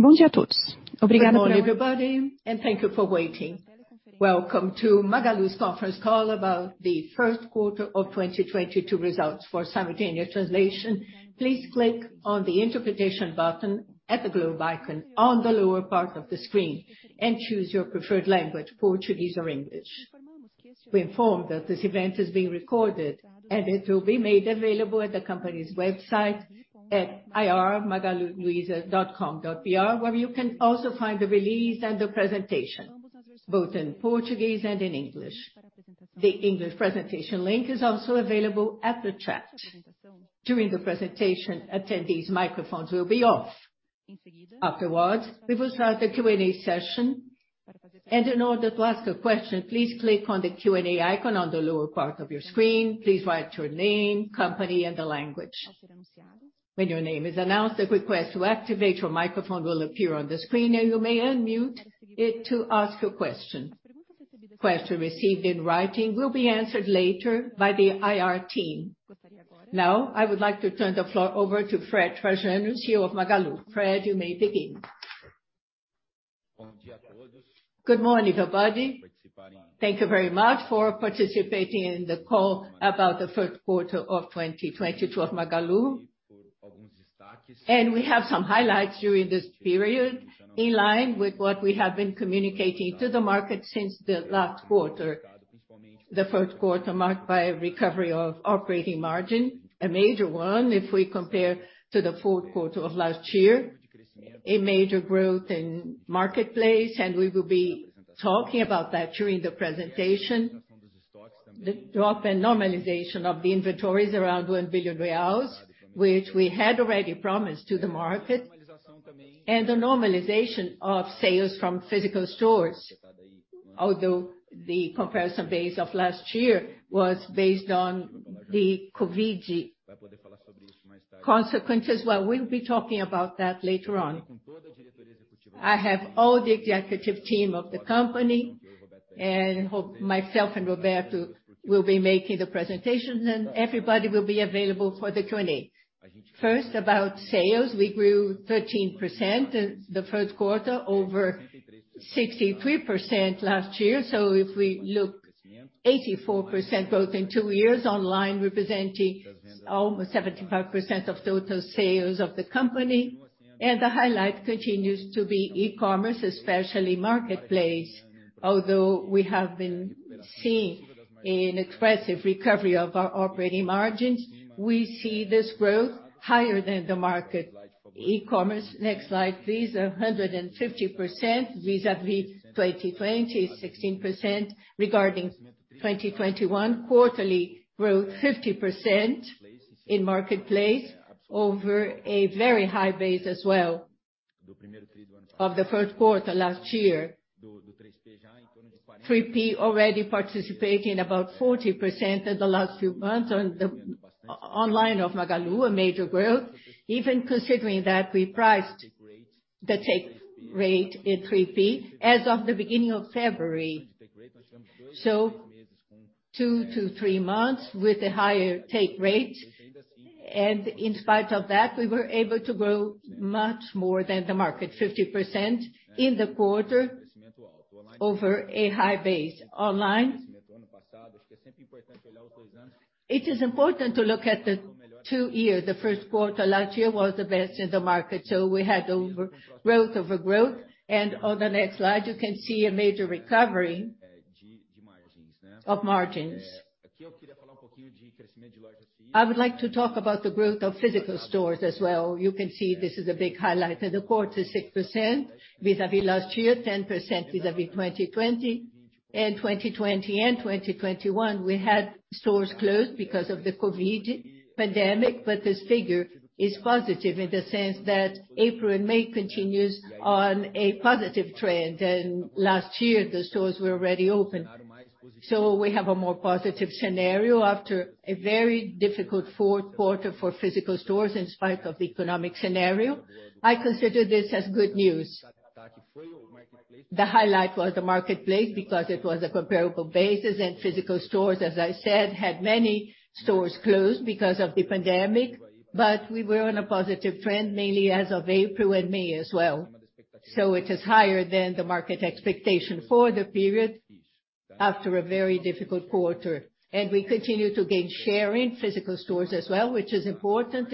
Good morning everybody, and thank you for waiting. Welcome to Magalu's conference call about the first quarter of 2022 results. For simultaneous translation, please click on the interpretation button at the globe icon on the lower part of the screen and choose your preferred language, Portuguese or English. We inform that this event is being recorded, and it will be made available at the company's website at ir.magaluluiza.com.br, where you can also find the release and the presentation, both in Portuguese and in English. The English presentation link is also available in the chat. During the presentation, attendees' microphones will be off. Afterwards, we will start the Q&A session. In order to ask a question, please click on the Q&A icon on the lower part of your screen. Please write your name, company, and the language. When your name is announced, a request to activate your microphone will appear on the screen, and you may unmute it to ask your question. Questions received in writing will be answered later by the IR team. Now, I would like to turn the floor over to Frederico Trajano, CEO of Magalu. Fred, you may begin. Good morning, everybody. Thank you very much for participating in the call about the first quarter of 2022 of Magalu. We have some highlights during this period, in line with what we have been communicating to the market since the last quarter. The first quarter marked by a recovery of operating margin, a major one if we compare to the fourth quarter of last year. A major growth in marketplace, and we will be talking about that during the presentation. The drop in normalization of the inventories around 1 billion reais, which we had already promised to the market. The normalization of sales from physical stores. Although the comparison base of last year was based on the COVID consequences. Well, we'll be talking about that later on. I have all the executive team of the company, and hopefully myself and Roberto will be making the presentation, and everybody will be available for the Q&A. First, about sales. We grew 13% in the first quarter over 63% last year. If we look 84% growth in two years online representing almost 75% of total sales of the company. The highlight continues to be e-commerce, especially marketplace. Although we have been seeing an expressive recovery of our operating margins, we see this growth higher than the market e-commerce. Next slide, please. 150% vis-à-vis 2020, 16% regarding 2021. Quarterly growth, 50% in marketplace over a very high base as well of the first quarter last year. 3P already participating about 40% in the last few months on the online of Magalu, a major growth. Even considering that we priced the take rate at 3P as of the beginning of February. Two to three months with a higher take rate. In spite of that, we were able to grow much more than the market, 50% in the quarter over a high base online. It is important to look at the two-year. The first quarter last year was the best in the market. We had growth over growth. On the next slide, you can see a major recovery of margins. I would like to talk about the growth of physical stores as well. You can see this is a big highlight of the quarter, 6% vis-à-vis last year, 10% vis-à-vis 2020. In 2020 and 2021, we had stores closed because of the COVID pandemic, but this figure is positive in the sense that April and May continues on a positive trend. Last year, the stores were already open. We have a more positive scenario after a very difficult fourth quarter for physical stores in spite of the economic scenario. I consider this as good news. The highlight was the marketplace because it was a comparable basis, and physical stores, as I said, had many stores closed because of the pandemic. We were on a positive trend mainly as of April and May as well. It is higher than the market expectation for the period after a very difficult quarter. We continue to gain share in physical stores as well, which is important.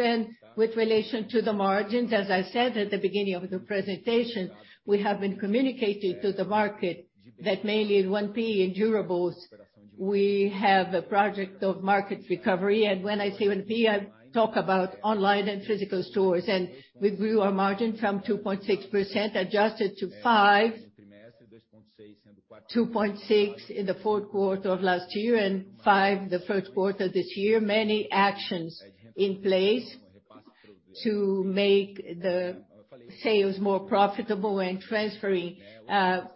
With relation to the margins, as I said at the beginning of the presentation, we have been communicating to the market that mainly in 1P, in durables, we have a project of market recovery. When I say 1P, I talk about online and physical stores. We grew our margin from 2.6% adjusted to 5. 2.6% in the fourth quarter of last year and 5% the first quarter this year. Many actions in place to make the sales more profitable and transferring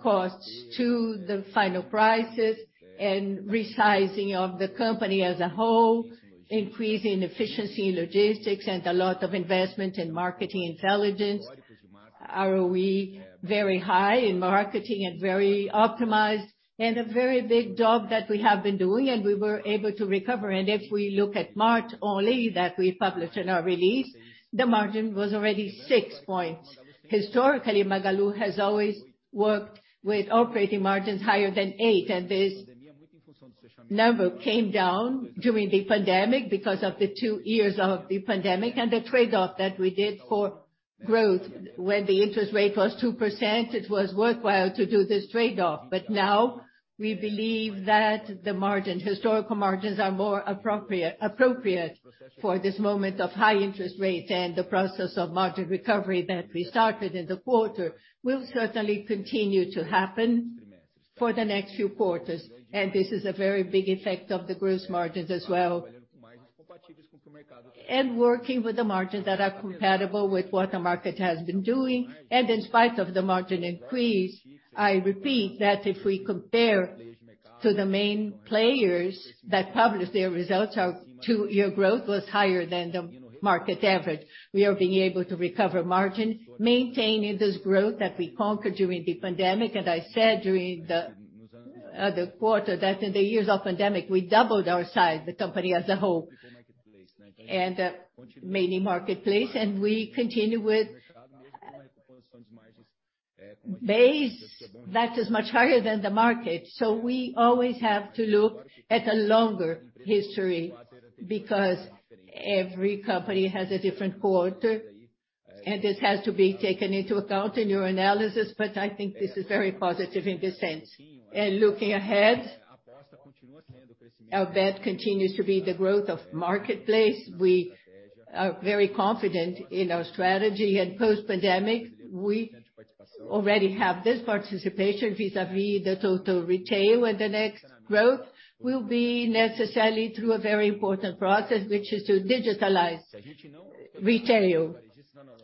costs to the final prices and resizing of the company as a whole, increasing efficiency in logistics and a lot of investment in marketing intelligence. ROE very high in marketing and very optimized. A very big job that we have been doing, and we were able to recover. If we look at March only that we published in our release, the margin was already 6 points. Historically, Magalu has always worked with operating margins higher than 8 points, and this number came down during the pandemic because of the two years of the pandemic and the trade-off that we did for growth. When the interest rate was 2%, it was worthwhile to do this trade-off. Now we believe that the margin, historical margins are more appropriate for this moment of high interest rates and the process of margin recovery that we started in the quarter will certainly continue to happen for the next few quarters. This is a very big effect of the gross margins as well. Working with the margins that are compatible with what the market has been doing, and in spite of the margin increase, I repeat that if we compare to the main players that publish their results, our two-year growth was higher than the market average. We are being able to recover margin, maintaining this growth that we conquered during the pandemic. I said during the quarter that in the years of pandemic, we doubled our size, the company as a whole, and mainly marketplace. We continue with base that is much higher than the market. We always have to look at a longer history because every company has a different quarter, and this has to be taken into account in your analysis. I think this is very positive in this sense. Looking ahead, our bet continues to be the growth of marketplace. We are very confident in our strategy and post-pandemic, we already have this participation vis-à-vis the total retail. The next growth will be necessarily through a very important process, which is to digitalize retail.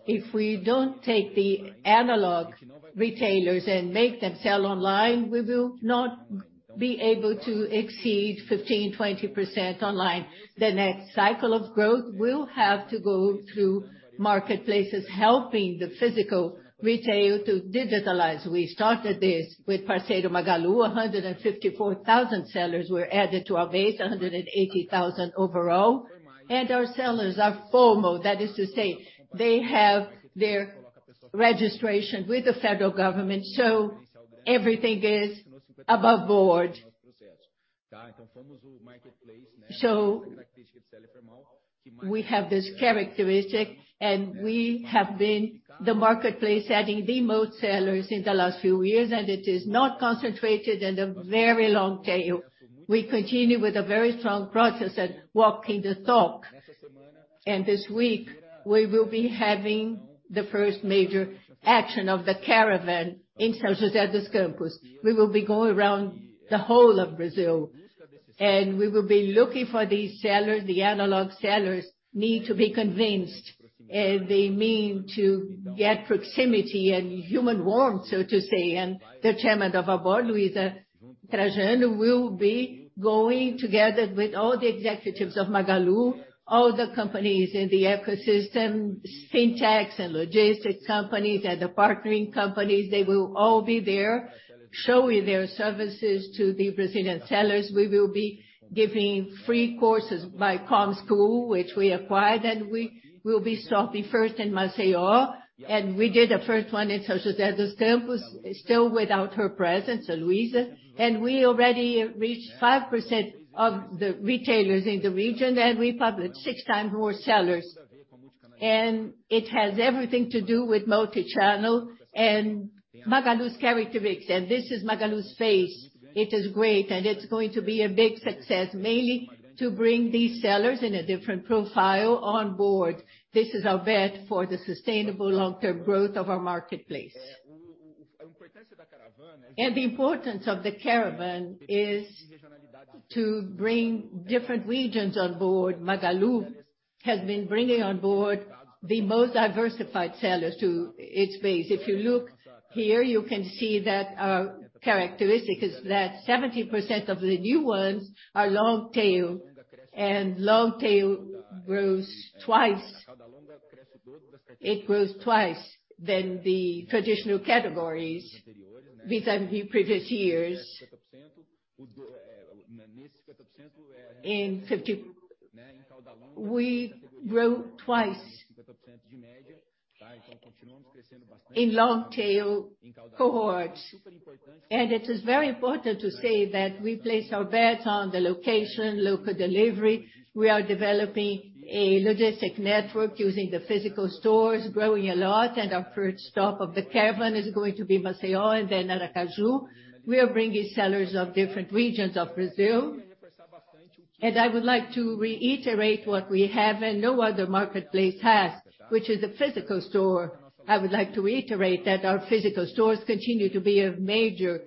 If we don't take the analog retailers and make them sell online, we will not be able to exceed 15%-20% online. The next cycle of growth will have to go through marketplaces helping the physical retail to digitalize. We started this with Parceiro Magalu. 154,000 sellers were added to our base, 180,000 sellers overall. Our sellers are formal. That is to say, they have their registration with the federal government, so everything is above board. We have this characteristic, and we have been the marketplace adding the most sellers in the last few years, and it is not concentrated in the very long tail. We continue with a very strong process of walking the talk. This week we will be having the first major action of the caravan in São José dos Campos. We will be going around the whole of Brazil, and we will be looking for these sellers. The analog sellers need to be convinced, and they need to get proximity and human warmth, so to say. The chairman of our board, Luiza Trajano, will be going together with all the executives of Magalu, all the companies in the ecosystem, fintechs and logistics companies and the partnering companies. They will all be there showing their services to the Brazilian sellers. We will be giving free courses by ComSchool, which we acquired, and we will be starting first in Maceió, and we did the first one in São José dos Campos, still without her presence, Luiza. We already reached 5% of the retailers in the region, and we published 6 times more sellers. It has everything to do with multi-channel and Magalu's characteristics. This is Magalu's phase. It is great, and it's going to be a big success, mainly to bring these sellers in a different profile on board. This is our bet for the sustainable long-term growth of our marketplace. The importance of the caravan is to bring different regions on board. Magalu has been bringing on board the most diversified sellers to its base. If you look here, you can see that our characteristic is that 70% of the new ones are long tail, and long tail grows twice. It grows twice than the traditional categories vis-à-vis previous years. We grew twice in long tail cohorts. It is very important to say that we place our bets on the location, local delivery. We are developing a logistic network using the physical stores, growing a lot, and our first stop of the caravan is going to be Maceió and then Aracaju. We are bringing sellers of different regions of Brazil. I would like to reiterate what we have and no other marketplace has, which is a physical store. I would like to reiterate that our physical stores continue to be a major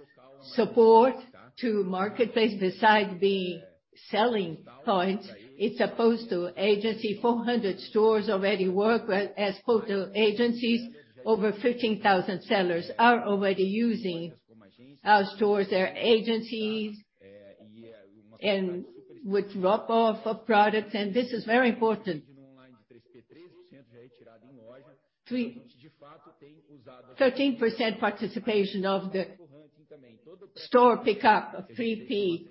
support to marketplace. Besides being selling points, it's a postal agency. 400 stores already work as postal agencies. Over 15,000 sellers are already using our stores, their agencies, and with drop-off of products. This is very important. 13% participation of the store pick up of 3P.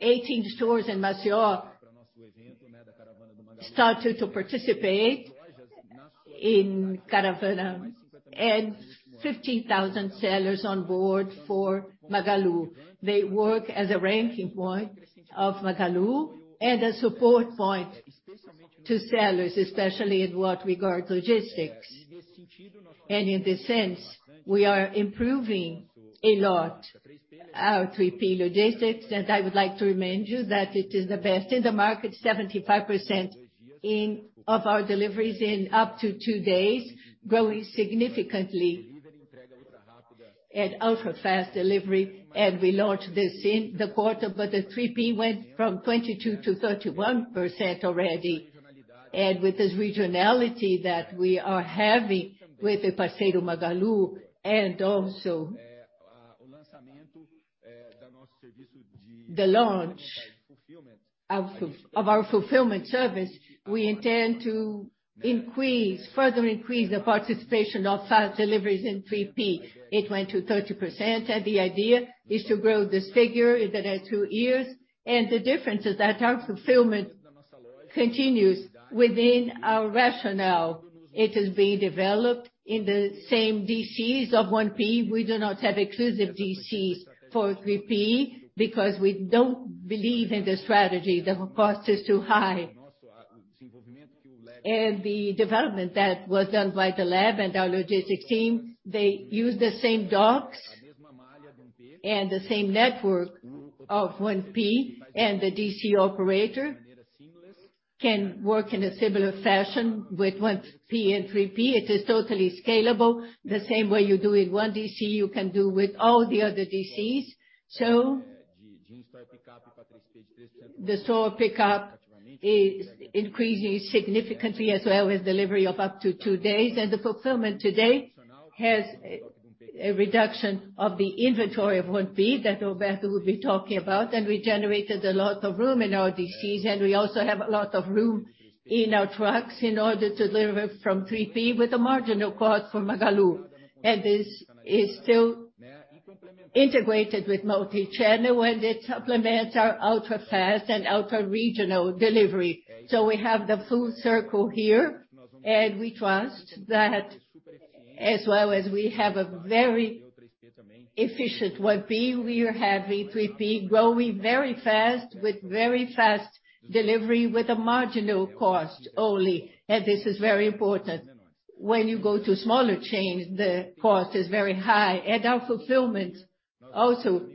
18 stores in Maceió start to participate in Caravana and 50,000 sellers on board for Magalu. They work as a ranking point of Magalu and a support point to sellers, especially in what regards logistics. In this sense, we are improving a lot our 3P logistics, and I would like to remind you that it is the best in the market, 75% of our deliveries in up to two days, growing significantly and ultra-fast delivery. We launched this in the quarter, but the 3P went from 22% to 31% already. With this regionality that we are having with the Parceiro Magalu and also the launch of our fulfillment service, we intend to further increase the participation of fast deliveries in 3P. It went to 30%, and the idea is to grow this figure in the next two years. The difference is that our fulfillment continues within our rationale. It is being developed in the same DCs of 1P. We do not have exclusive DCs for 3P because we don't believe in the strategy. The cost is too high. The development that was done by the lab and our logistics team, they use the same docks and the same network of 1P, and the DC operator can work in a similar fashion with 1P and 3P. It is totally scalable. The same way you do with one DC, you can do with all the other DCs. The store pickup is increasing significantly as well with delivery of up to two days. The fulfillment today has a reduction of the inventory of 1P that Roberto will be talking about. We generated a lot of room in our DCs, and we also have a lot of room in our trucks in order to deliver from 3P with a marginal cost for Magalu. This is still integrated with multi-channel, and it supplements our ultra-fast and ultra-regional delivery. We have the full circle here, and we trust that as well as we have a very efficient 1P, we are having 3P growing very fast with very fast delivery with a marginal cost only. This is very important. When you go to smaller chains, the cost is very high. Our fulfillment also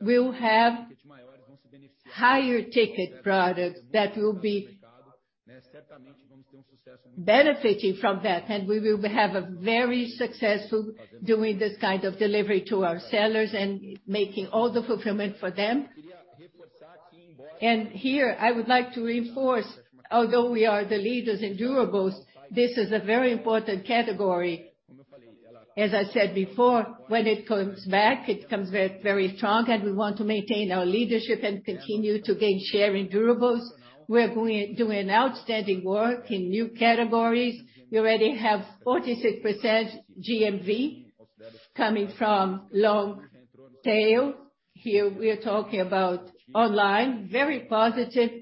will have higher ticket products that will be benefiting from that. We will have a very successful doing this kind of delivery to our sellers and making all the fulfillment for them. I would like to reinforce, although we are the leaders in durables, this is a very important category. As I said before, when it comes back, it comes very, very strong, and we want to maintain our leadership and continue to gain share in durables. We're doing outstanding work in new categories. We already have 46% GMV coming from long tail. Here, we are talking about online, very positive.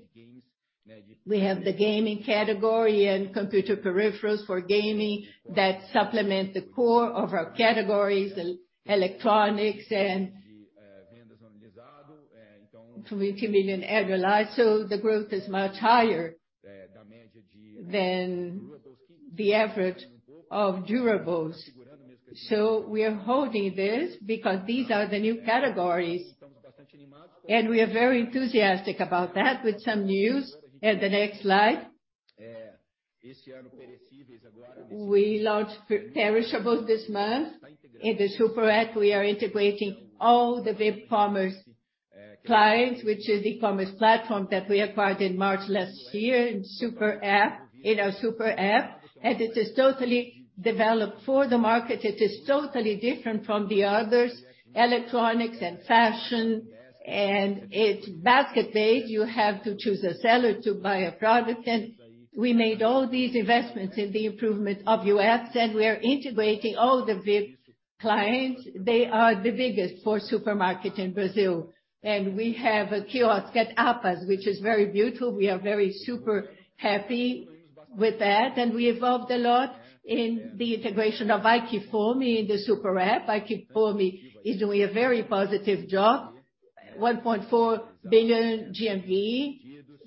We have the gaming category and computer peripherals for gaming that supplement the core of our categories, electronics and 20 million annualized. The growth is much higher than the average of durables. We are holding this because these are the new categories, and we are very enthusiastic about that with some news in the next slide. We launched perishables this month. In the Super App, we are integrating all the VipCommerce clients, which is e-commerce platform that we acquired in March last year in our Super App. It is totally developed for the market. It is totally different from the others, electronics and fashion, and it's basket-based. You have to choose a seller to buy a product. We made all these investments in the improvement of UX, and we are integrating all the VipCommerce clients. They are the biggest for supermarket in Brazil. We have a kiosk at APAS, which is very beautiful. We are very super happy with that. We evolved a lot in the integration of iFood in the Super App. iFood is doing a very positive job, 1.4 billion GMV,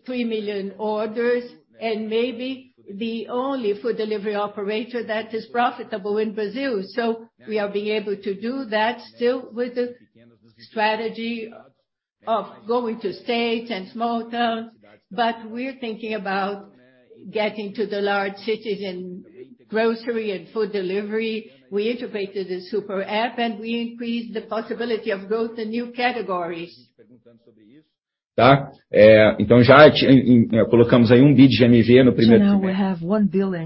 3 million orders, and maybe the only food delivery operator that is profitable in Brazil. We are being able to do that still with the strategy of going to states and small towns. We're thinking about getting to the large cities in grocery and food delivery. We integrated the Super App, and we increased the possibility of growth in new categories. Now we have 1 billion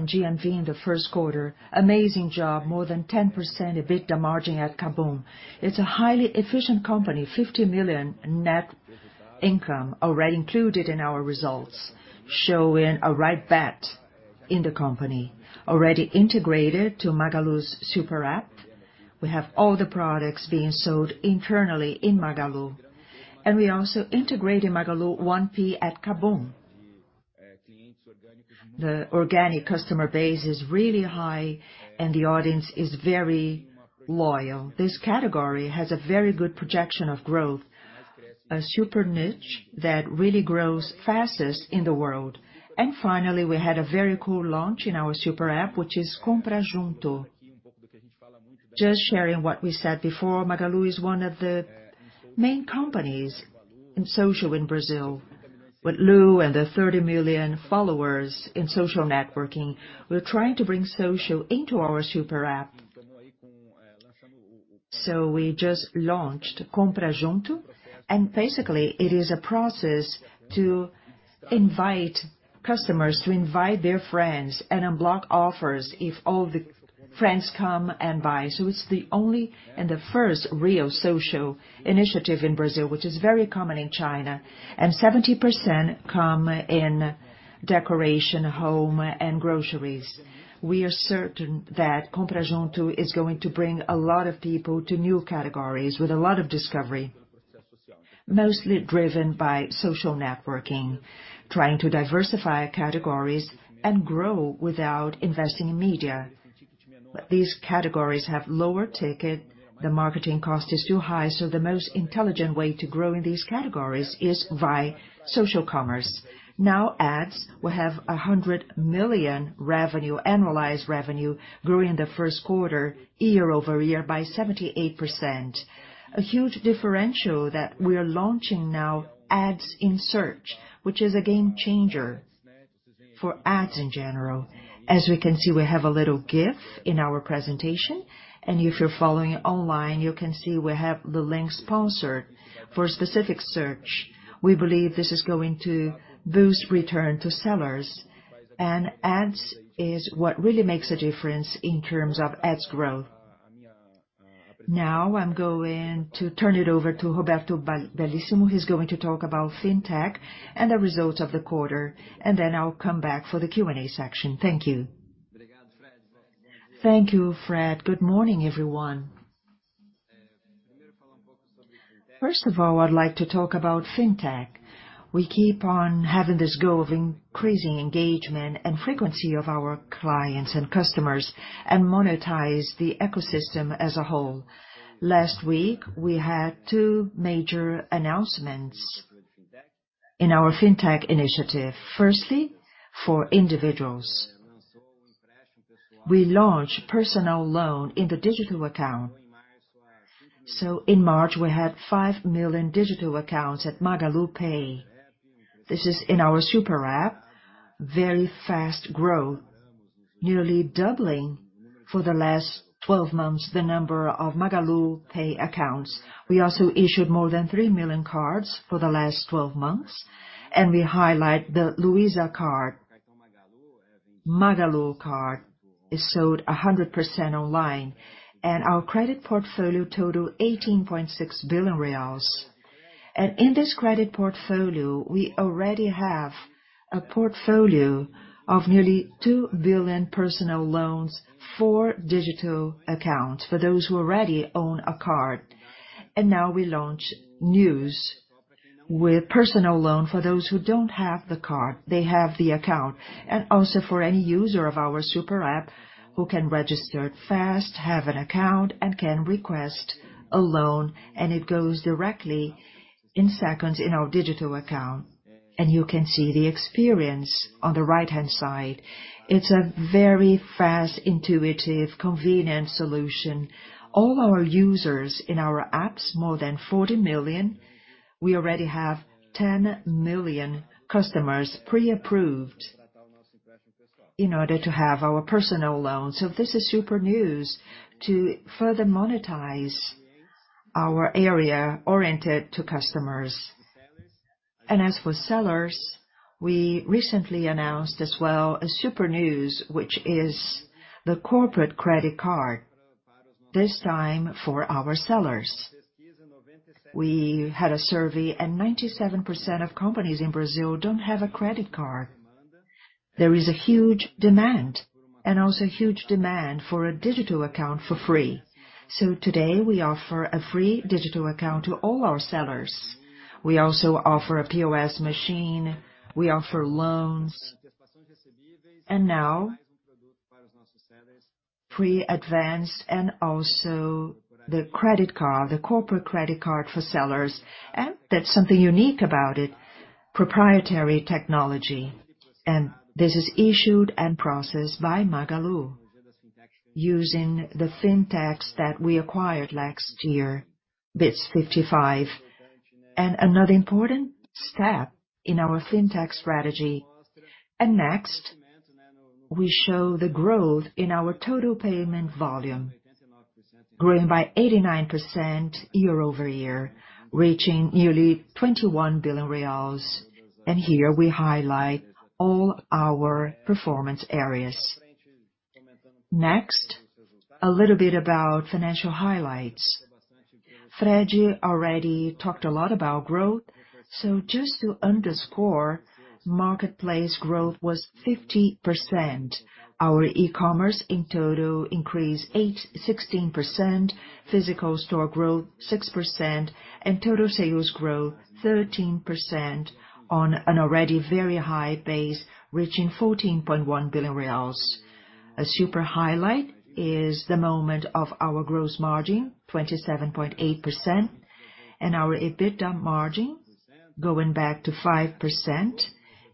GMV in the first quarter. Amazing job, more than 10% EBITDA margin at KaBuM!. It's a highly efficient company, 50 million net income already included in our results, showing a right bet. In the company, already integrated to Magalu's Super App. We have all the products being sold internally in Magalu. We also integrate in Magalu 1P at KaBuM!. The organic customer base is really high, and the audience is very loyal. This category has a very good projection of growth. A super niche that really grows fastest in the world. Finally, we had a very cool launch in our Super App, which is Compra Junto. Just sharing what we said before, Magalu is one of the main companies in social in Brazil. With Lu and the 30 million followers in social networking, we're trying to bring social into our Super App. We just launched Compra Junto, and basically, it is a process to invite customers to invite their friends and unblock offers if all the friends come and buy. It's the only and the first real social initiative in Brazil, which is very common in China, and 70% come in decoration, home, and groceries. We are certain that Compra Junto is going to bring a lot of people to new categories with a lot of discovery. Mostly driven by social networking, trying to diversify categories and grow without investing in media. These categories have lower ticket, the marketing cost is too high, so the most intelligent way to grow in these categories is via social commerce. Now ads will have 100 million revenue, annualized revenue, growing in the first quarter year-over-year by 78%. A huge differential that we're launching now, ads in search, which is a game changer for ads in general. As we can see, we have a little GIF in our presentation, and if you're following online, you can see we have the link sponsored for specific search. We believe this is going to boost return to sellers. ads is what really makes a difference in terms of ads growth. Now, I'm going to turn it over to Roberto Bellíssimo, who's going to talk about fintech and the results of the quarter, and then I'll come back for the Q&A section. Thank you. Thank you, Fred. Good morning, everyone. First of all, I'd like to talk about fintech. We keep on having this goal of increasing engagement and frequency of our clients and customers and monetize the ecosystem as a whole. Last week, we had two major announcements in our fintech initiative. Firstly, for individuals. We launched personal loan in the digital account. In March, we had 5 million digital accounts at MagaluPay. This is in our Super App. Very fast growth, nearly doubling for the last 12 months the number of MagaluPay accounts. We also issued more than 3 million cards for the last 12 months, and we highlight the Luiza Card. Magalu Card is sold 100% online, and our credit portfolio total BRL 18.6 billion. In this credit portfolio, we already have a portfolio of nearly 2 billion personal loans for digital accounts, for those who already own a card. Now we launch new with personal loan for those who don't have the card, they have the account, and also for any user of our Super App who can register fast, have an account, and can request a loan, and it goes directly in seconds in our digital account. You can see the experience on the right-hand side. It's a very fast, intuitive, convenient solution. All our users in our apps, more than 40 million, we already have 10 million customers pre-approved in order to have our personal loan. This is super news to further monetize our area oriented to customers. As for sellers, we recently announced as well a super news, which is the corporate credit card, this time for our sellers. We had a survey, and 97% of companies in Brazil don't have a credit card. There is a huge demand, and also huge demand for a digital account for free. Today, we offer a free digital account to all our sellers. We also offer a POS machine, we offer loans. Now, pre-approved and also the credit card, the corporate credit card for sellers. That's something unique about it, proprietary technology. This is issued and processed by Magalu using the fintechs that we acquired last year, Bit55. Another important step in our fintech strategy. Next, we show the growth in our total payment volume, growing by 89% year-over-year, reaching nearly 21 billion reais. Here we highlight all our performance areas. Next, a little bit about financial highlights. Fred already talked a lot about growth, so just to underscore, marketplace growth was 50%. Our e-commerce in total increased 16%, physical store growth 6%, and total sales grew 13% on an already very high base, reaching BRL 14.1 billion. A super highlight is the moment of our gross margin, 27.8%, and our EBITDA margin going back to 5%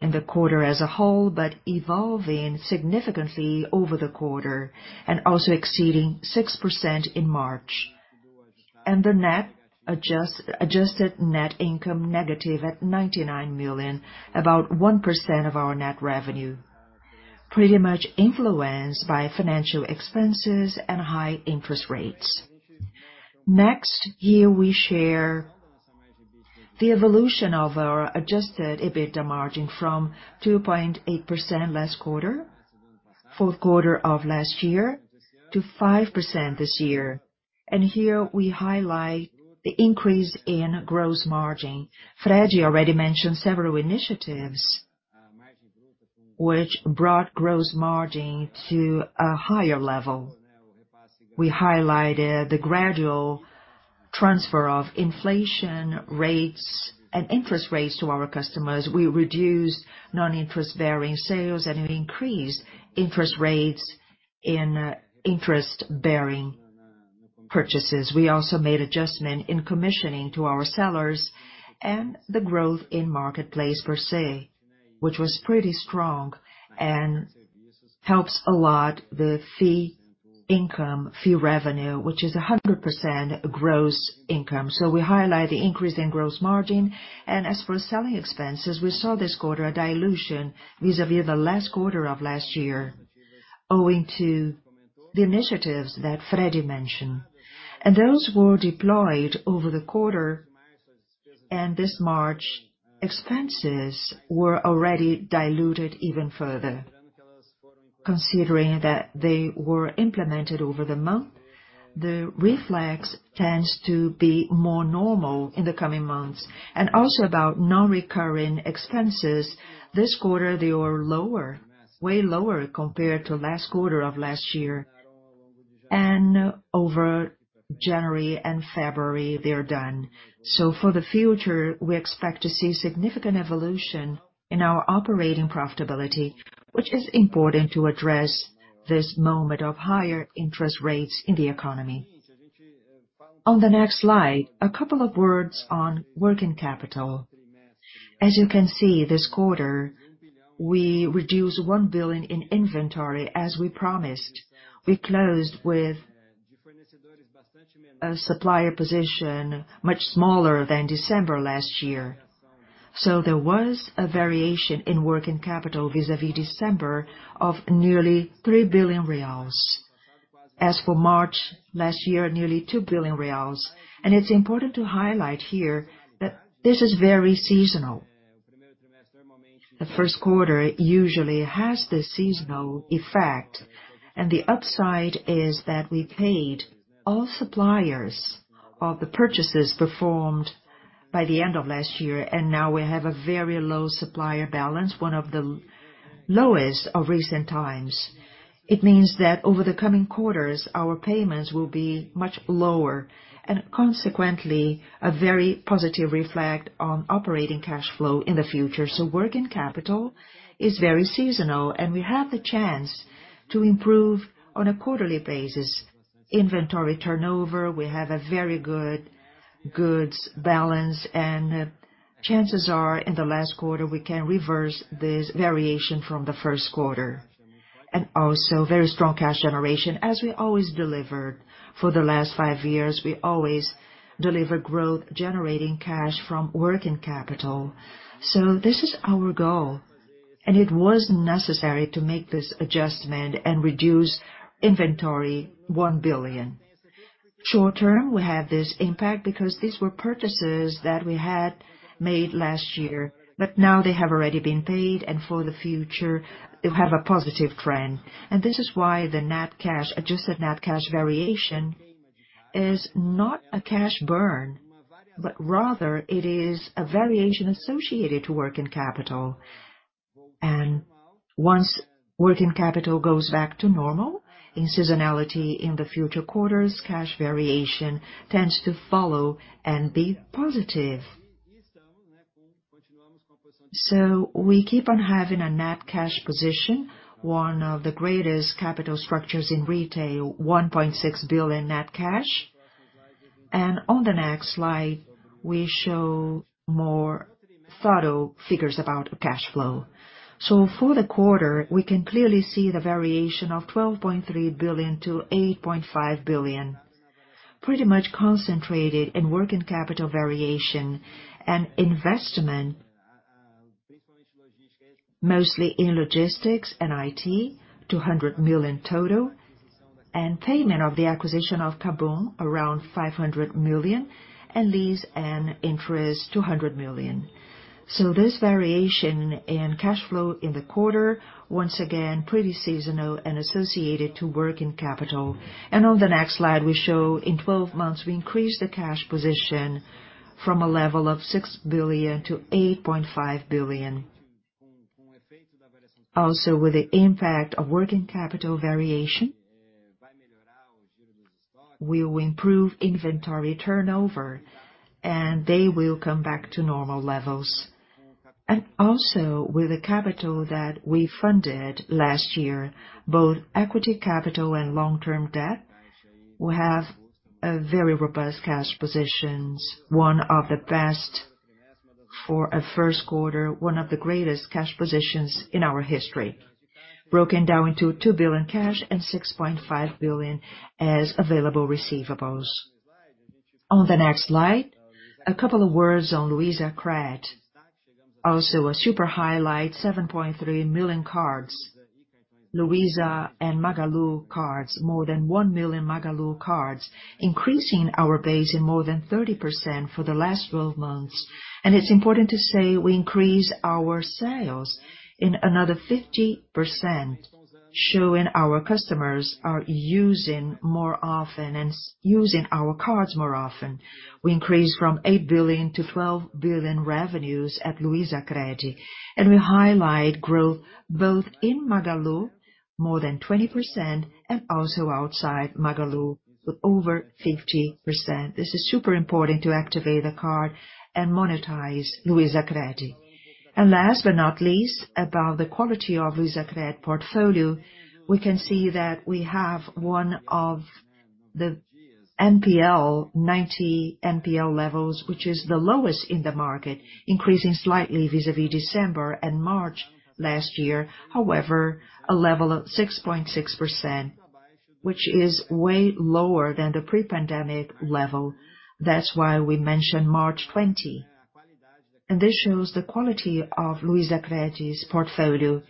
in the quarter as a whole, but evolving significantly over the quarter, and also exceeding 6% in March. The net adjust, adjusted net income negative at 99 million, about 1% of our net revenue, pretty much influenced by financial expenses and high interest rates. Next, here we share the evolution of our adjusted EBITDA margin from 2.8% last quarter, fourth quarter of last year, to 5% this year. Here we highlight the increase in gross margin. Fred already mentioned several initiatives which brought gross margin to a higher level. We highlighted the gradual transfer of inflation rates and interest rates to our customers. We reduced non-interest bearing sales and increased interest rates in interest-bearing purchases. We also made adjustment in commissions to our sellers and the growth in marketplace per se, which was pretty strong and helps a lot the fee income, fee revenue, which is 100% gross income. We highlight the increase in gross margin. As for selling expenses, we saw this quarter a dilution vis-à-vis the last quarter of last year, owing to the initiatives that Fred mentioned. Those were deployed over the quarter, and this March, expenses were already diluted even further. Considering that they were implemented over the month, the effect tends to be more normal in the coming months. About non-recurring expenses, this quarter they were lower, way lower compared to last quarter of last year. Over January and February, they are done. For the future, we expect to see significant evolution in our operating profitability, which is important to address this moment of higher interest rates in the economy. On the next slide, a couple of words on working capital. As you can see this quarter, we reduced 1 billion in inventory as we promised. We closed with a supplier position much smaller than December last year. There was a variation in working capital vis-à-vis December of nearly 3 billion reais. As for March last year, nearly 2 billion reais. It's important to highlight here that this is very seasonal. The first quarter usually has this seasonal effect, and the upside is that we paid all suppliers of the purchases performed by the end of last year, and now we have a very low supplier balance, one of the lowest of recent times. It means that over the coming quarters, our payments will be much lower, and consequently, a very positive reflection on operating cash flow in the future. Working capital is very seasonal, and we have the chance to improve on a quarterly basis. Inventory turnover, we have a very good goods balance, and chances are, in the last quarter, we can reverse this variation from the first quarter. Also very strong cash generation. As we always delivered for the last five years, we always deliver growth generating cash from working capital. This is our goal, and it was necessary to make this adjustment and reduce inventory 1 billion. Short-term, we have this impact because these were purchases that we had made last year, but now they have already been paid, and for the future they'll have a positive trend. This is why the net cash, adjusted net cash variation is not a cash burn, but rather it is a variation associated to working capital. Once working capital goes back to normal in seasonality in the future quarters, cash variation tends to follow and be positive. We keep on having a net cash position, one of the greatest capital structures in retail, 1.6 billion net cash. On the next slide, we show more thorough figures about cash flow. For the quarter, we can clearly see the variation of 12.3 billion-8.5 billion, pretty much concentrated in working capital variation and investment, mostly in logistics and IT, 200 million total. Payment of the acquisition of KaBuM! around 500 million, and lease and interest 200 million. This variation in cash flow in the quarter, once again, pretty seasonal and associated to working capital. On the next slide, we show in 12 months, we increased the cash position from a level of 6 billion-8.5 billion. Also, with the impact of working capital variation, we will improve inventory turnover and they will come back to normal levels. also with the capital that we funded last year, both equity capital and long-term debt, we have a very robust cash positions, one of the best for a first quarter, one of the greatest cash positions in our history, broken down into 2 billion cash and 6.5 billion as available receivables. On the next slide, a couple of words on Luizacred. Also a super highlight, 7.3 million cards. Luiza and Magalu cards, more than 1 million Magalu cards, increasing our base in more than 30% for the last 12 months. It's important to say we increase our sales in another 50%, showing our customers are using more often and using our cards more often. We increased from 8 billion to 12 billion revenues at Luizacred. We highlight growth both in Magalu, more than 20%, and also outside Magalu with over 50%. This is super important to activate the card and monetize Luizacred. Last but not least, about the quality of Luizacred portfolio, we can see that we have one of the lowest NPL, 90-day NPL levels, which is the lowest in the market, increasing slightly vis-à-vis December and March last year. However, a level of 6.6%, which is way lower than the pre-pandemic level. That's why we mentioned March 20. This shows the quality of Luizacred's portfolio,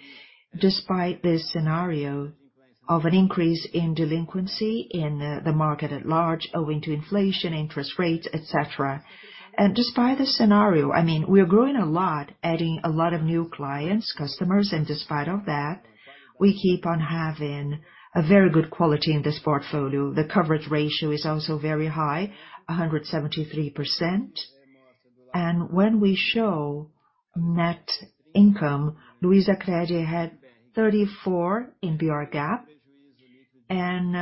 despite this scenario of an increase in delinquency in the market at large owing to inflation, interest rates, et cetera. Despite this scenario, I mean, we are growing a lot, adding a lot of new clients, customers, and despite of that, we keep on having a very good quality in this portfolio. The coverage ratio is also very high, 173%. When we show net income, Luizacred had 34 million in BR GAAP and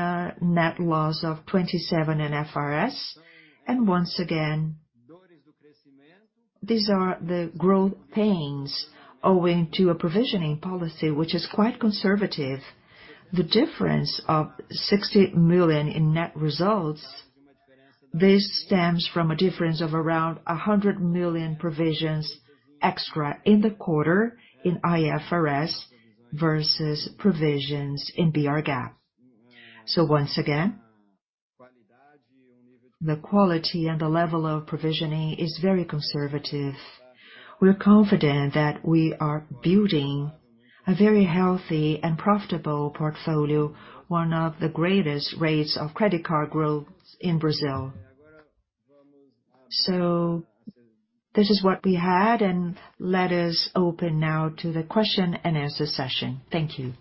net loss of 27 million in IFRS. Once again, these are the growth pains owing to a provisioning policy which is quite conservative. The difference of 60 million in net results stems from a difference of around 100 million provisions extra in the quarter in IFRS versus provisions in BR GAAP. Once again, the quality and the level of provisioning is very conservative. We're confident that we are building a very healthy and profitable portfolio, one of the greatest rates of credit card growth in Brazil. This is what we had, and let us open now to the question and answer session. Thank you.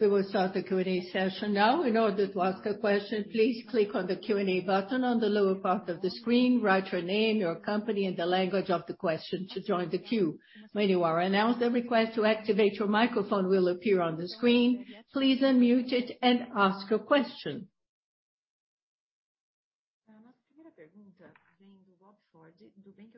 We will start the Q&A session now. In order to ask a question, please click on the Q&A button on the lower part of the screen. Write your name, your company, and the language of the question to join the queue. When you are announced, a request to activate your microphone will appear on the screen. Please unmute it and ask your question. We are waiting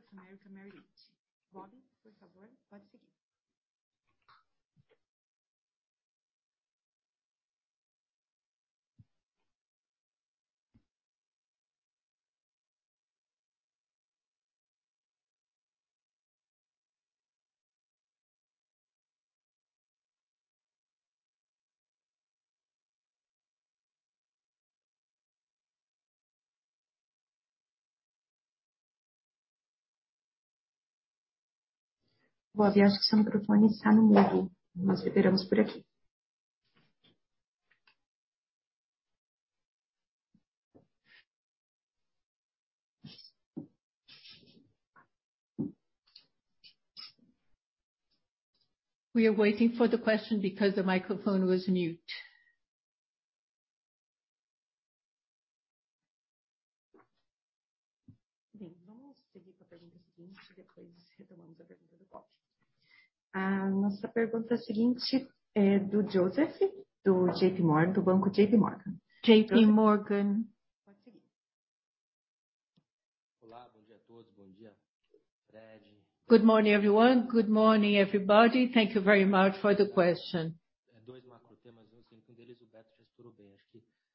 for the question because the microphone was mute. JPMorgan. Good morning, everyone. Good morning, everybody. Thank you very much for the question.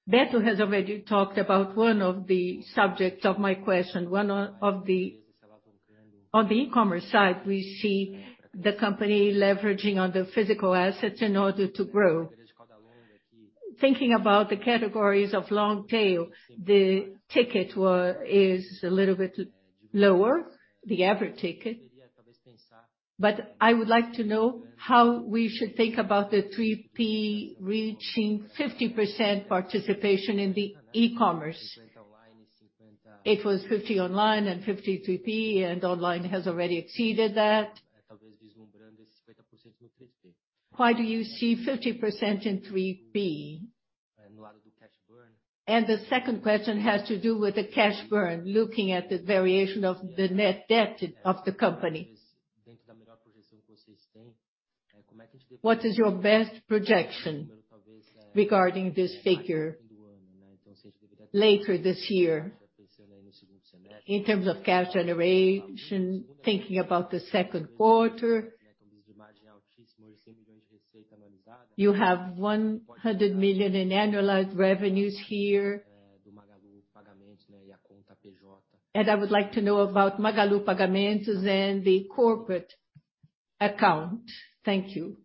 Beto has already talked about one of the subjects of my question. On the e-commerce side, we see the company leveraging on the physical assets in order to grow. Thinking about the categories of long tail, the ticket is a little bit lower, the average ticket. I would like to know how we should think about the 3P reaching 50% participation in the e-commerce. It was 50% online and 50% 3P, and online has already exceeded that. Why do you see 50% in 3P? The second question has to do with the cash burn, looking at the variation of the net debt of the company. What is your best projection regarding this figure later this year? In terms of cash generation, thinking about the second quarter. You have 100 million in annualized revenues here. I would like to know about Magalu Pagamentos and the corporate account. Thank you.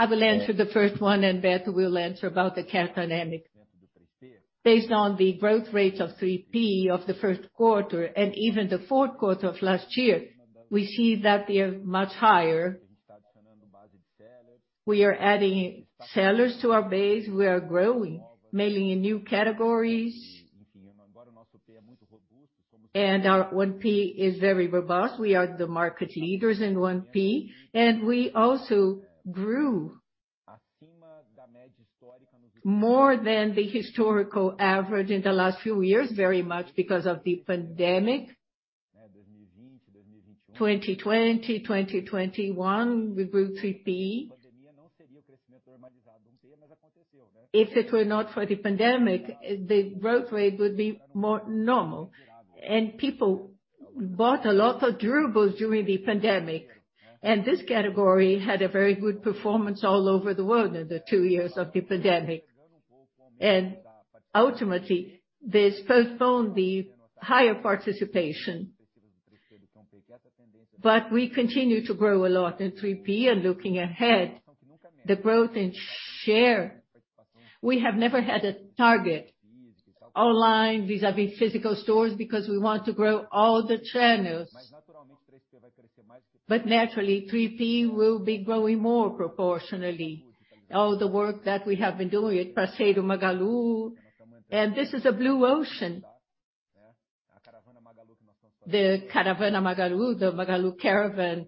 I will answer the first one, and Roberto will answer about the cash dynamic. Based on the growth rate of 3P of the first quarter and even the fourth quarter of last year, we see that they are much higher. We are adding sellers to our base. We are growing, mainly in new categories. Our 1P is very robust. We are the market leaders in 1P, and we also grew more than the historical average in the last few years, very much because of the pandemic. 2020, 2021, we grew 3P. If it were not for the pandemic, the growth rate would be more normal. People bought a lot of durables during the pandemic, and this category had a very good performance all over the world in the two years of the pandemic. Ultimately, this postponed the higher participation. We continue to grow a lot in 3P and looking ahead, the growth in share. We have never had a target online vis-à-vis physical stores because we want to grow all the channels. Naturally, 3P will be growing more proportionally. All the work that we have been doing at Parceiro Magalu, and this is a blue ocean. The Caravana Magalu, the Magalu Caravan,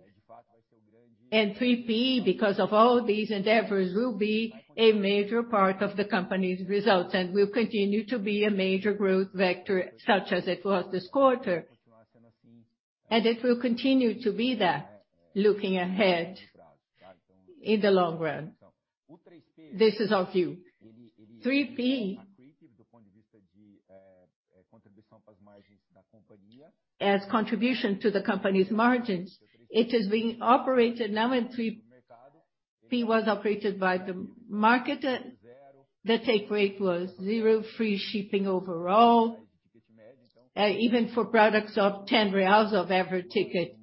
and 3P because of all these endeavors, will be a major part of the company's results, and will continue to be a major growth vector such as it was this quarter. It will continue to be that looking ahead in the long run. This is our view. 3P as contribution to the company's margins. It is being operated now and 3P was operated by the market. The take rate was zero free shipping overall, even for products of 10 reais of every ticket.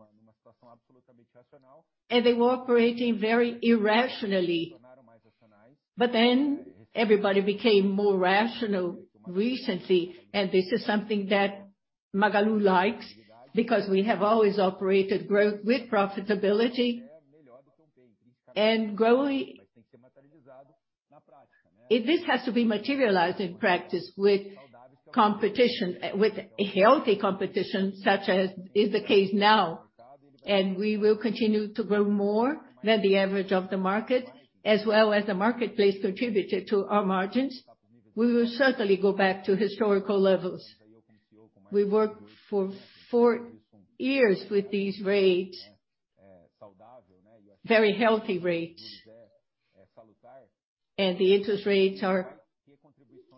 They were operating very irrationally. Then everybody became more rational recently, and this is something that Magalu likes because we have always operated growth with profitability. This has to be materialized in practice with competition, with healthy competition, such as is the case now. We will continue to grow more than the average of the market, as well as the marketplace contributed to our margins. We will certainly go back to historical levels. We worked for four years with these rates, very healthy rates. The interest rates are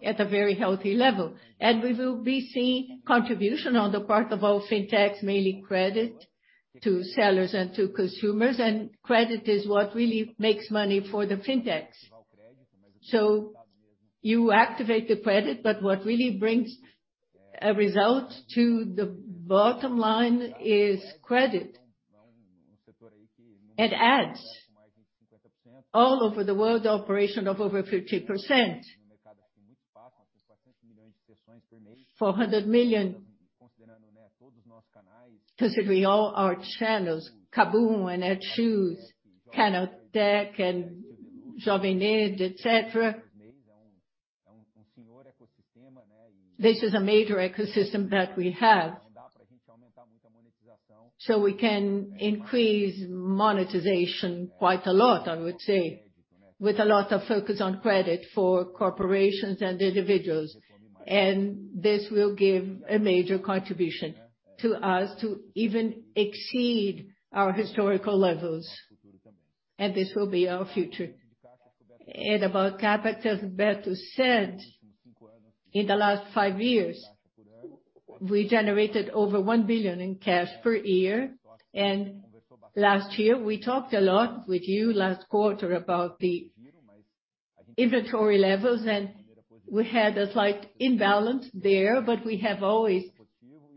at a very healthy level. We will be seeing contribution on the part of our fintechs, mainly credit to sellers and to consumers. Credit is what really makes money for the fintechs. You activate the credit, but what really brings a result to the bottom line is credit and ads. All over the world, operation of over 50%. 400 million, considering all our channels, KaBuM! and Netshoes, Canaltech and Jovem Nerd, et cetera. This is a major ecosystem that we have. We can increase monetization quite a lot, I would say, with a lot of focus on credit for corporations and individuals. This will give a major contribution to us to even exceed our historical levels. This will be our future. About capital, Roberto said in the last five years, we generated over 1 billion in cash per year. Last year, we talked a lot with you last quarter about the inventory levels and we had a slight imbalance there, but we have always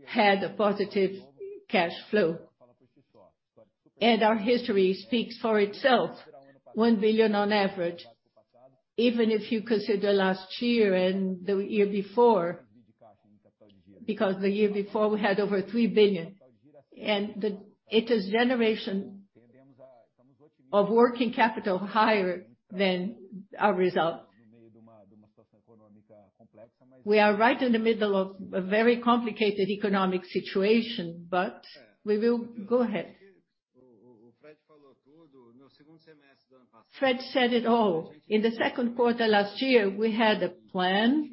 had a positive cash flow. Our history speaks for itself. 1 billion on average, even if you consider last year and the year before, because the year before, we had over 3 billion. It is generation of working capital higher than our result. We are right in the middle of a very complicated economic situation, but we will go ahead. Fred said it all. In the second quarter last year, we had a plan.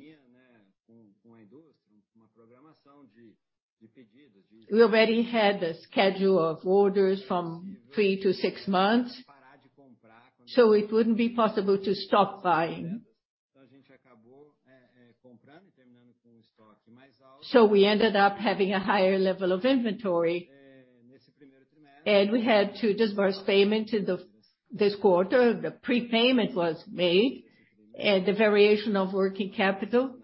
We already had a schedule of orders from three-six months, so it wouldn't be possible to stop buying. We ended up having a higher level of inventory and we had to disburse payment in this quarter. The prepayment was made and the variation of working capital.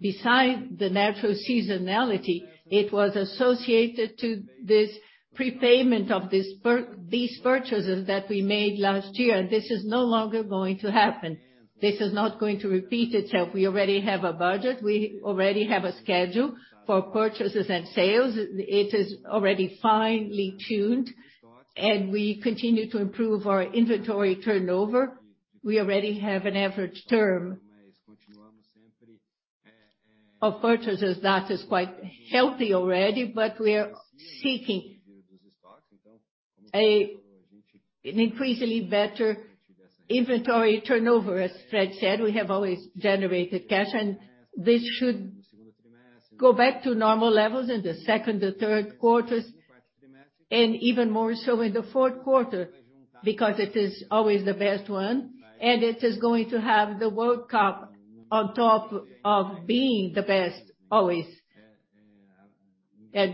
Besides the natural seasonality, it was associated to this prepayment of these purchases that we made last year. This is no longer going to happen. This is not going to repeat itself. We already have a budget. We already have a schedule for purchases and sales. It is already finely tuned and we continue to improve our inventory turnover. We already have an average term of purchases that is quite healthy already, but we are seeking an increasingly better inventory turnover. As Fred said, we have always generated cash, and this should go back to normal levels in the second or third quarters, and even more so in the fourth quarter because it is always the best one, and it is going to have the World Cup on top of being the best always.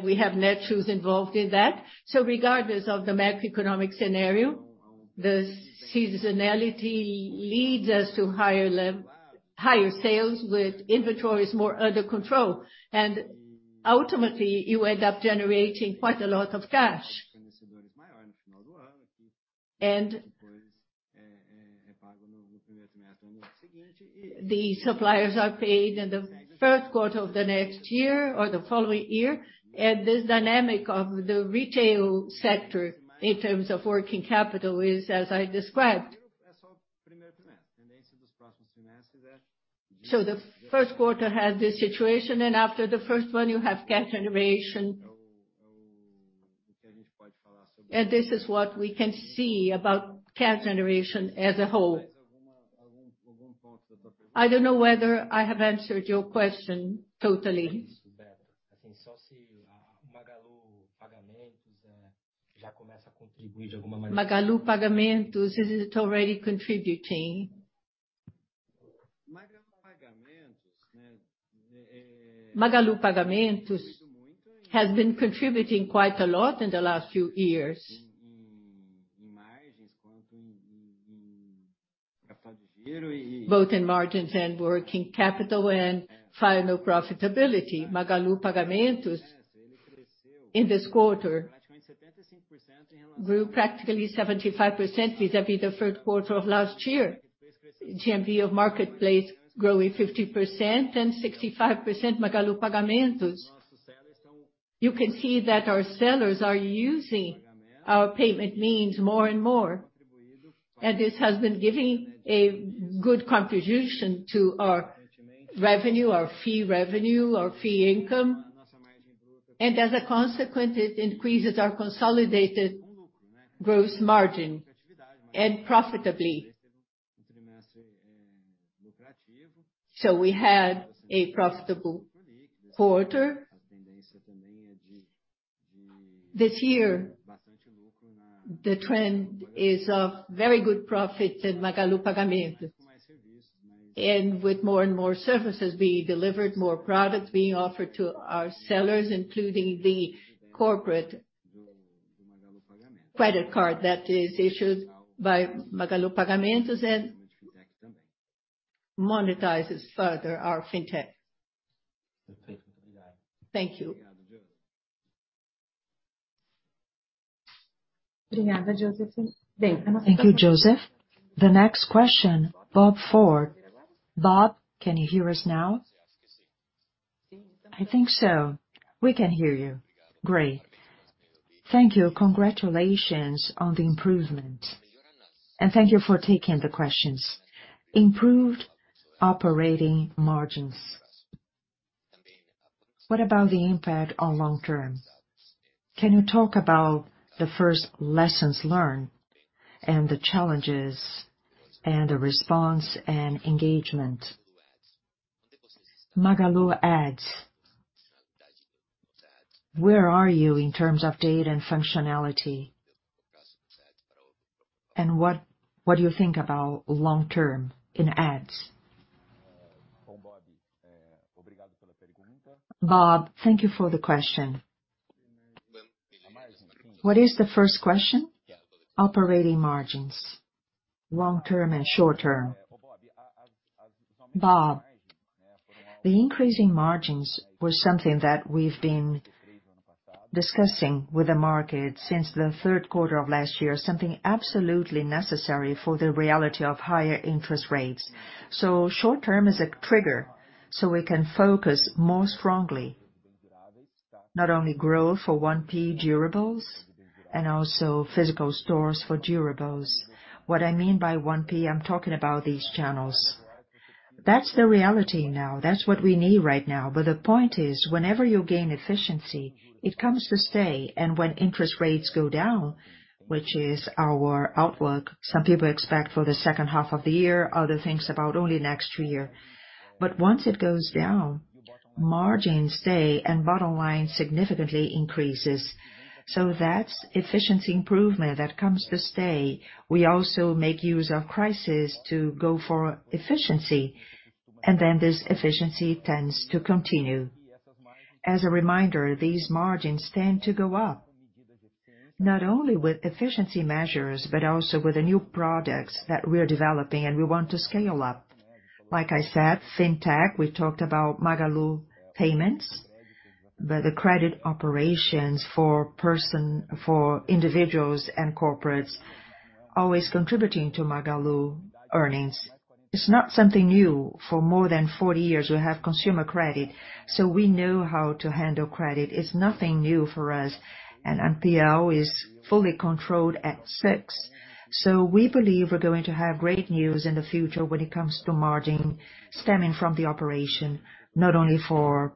We have Netshoes involved in that. Regardless of the macroeconomic scenario, the seasonality leads us to higher sales with inventories more under control. Ultimately, you end up generating quite a lot of cash. The suppliers are paid in the first quarter of the next year or the following year. This dynamic of the retail sector in terms of working capital is, as I described. The first quarter has this situation, and after the first one you have cash generation. This is what we can see about cash generation as a whole. I don't know whether I have answered your question totally. Magalu Pagamentos, is it already contributing? Magalu Pagamentos has been contributing quite a lot in the last few years. Both in margins and working capital and final profitability. Magalu Pagamentos in this quarter grew practically 75% vis-à-vis the third quarter of last year. GMV of Marketplace growing 50% and 65% Magalu Pagamentos. You can see that our sellers are using our payment means more and more. This has been giving a good contribution to our revenue, our fee revenue, our fee income. As a consequence, it increases our consolidated gross margin and profitability. We had a profitable quarter. This year, the trend is of very good profit at Magalu Pagamentos. With more and more services being delivered, more products being offered to our sellers, including the corporate credit card that is issued by Magalu Pagamentos and monetizes further our fintech. Thank you. Thank you, Joseph. The next question, Bob Ford. Bob, can you hear us now? I think so. We can hear you. Great. Thank you. Congratulations on the improvement and thank you for taking the questions. Improved operating margins. What about the impact on long-term? Can you talk about the first lessons learned and the challenges and the response and engagement? Magalu ads, where are you in terms of data and functionality? And what do you think about long-term in ads? Robert, thank you for the question. What is the first question? Operating margins, long-term and short-term. Bob, the increase in margins was something that we've been discussing with the market since the third quarter of last year, something absolutely necessary for the reality of higher interest rates. Short-term is a trigger, so we can focus more strongly, not only growth for 1P durables and also physical stores for durables. What I mean by 1P, I'm talking about these channels. That's the reality now. That's what we need right now. The point is, whenever you gain efficiency, it comes to stay. When interest rates go down, which is our outlook, some people expect for the second half of the year, others think about only next year. Once it goes down, margins stay and bottom line significantly increases. That's efficiency improvement that comes to stay. We also make use of crisis to go for efficiency, and then this efficiency tends to continue. As a reminder, these margins tend to go up not only with efficiency measures, but also with the new products that we're developing, and we want to scale up. Like I said, Fintech, we talked about Magalu Payments, but the credit operations for individuals and corporates always contributing to Magalu earnings. It's not something new. For more than 40 years, we have consumer credit, so we know how to handle credit. It's nothing new for us. NPL is fully controlled at 6%. We believe we're going to have great news in the future when it comes to margin stemming from the operation, not only for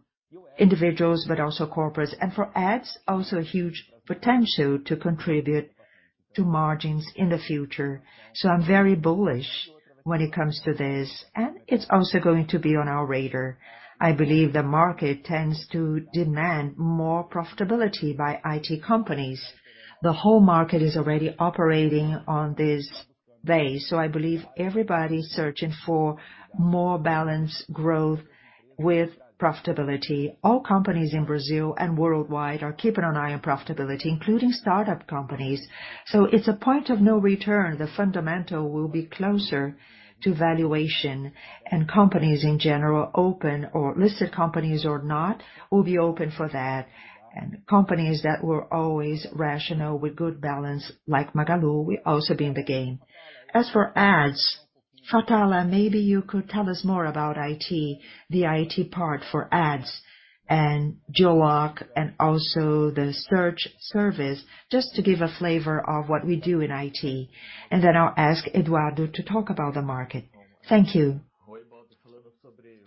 individuals but also corporates. For ads, also a huge potential to contribute to margins in the future. I'm very bullish when it comes to this, and it's also going to be on our radar. I believe the market tends to demand more profitability by IT companies. The whole market is already operating on this base, so I believe everybody's searching for more balanced growth with profitability. All companies in Brazil and worldwide are keeping an eye on profitability, including startup companies. It's a point of no return. The fundamental will be closer to valuation, and companies in general open or listed companies or not, will be open for that. Companies that were always rational with good balance, like Magalu, will also be in the game. As for ads, André Fatala, maybe you could tell us more about IT, the IT part for ads and Joak and also the search service, just to give a flavor of what we do in IT. Then I'll ask Eduardo to talk about the market. Thank you.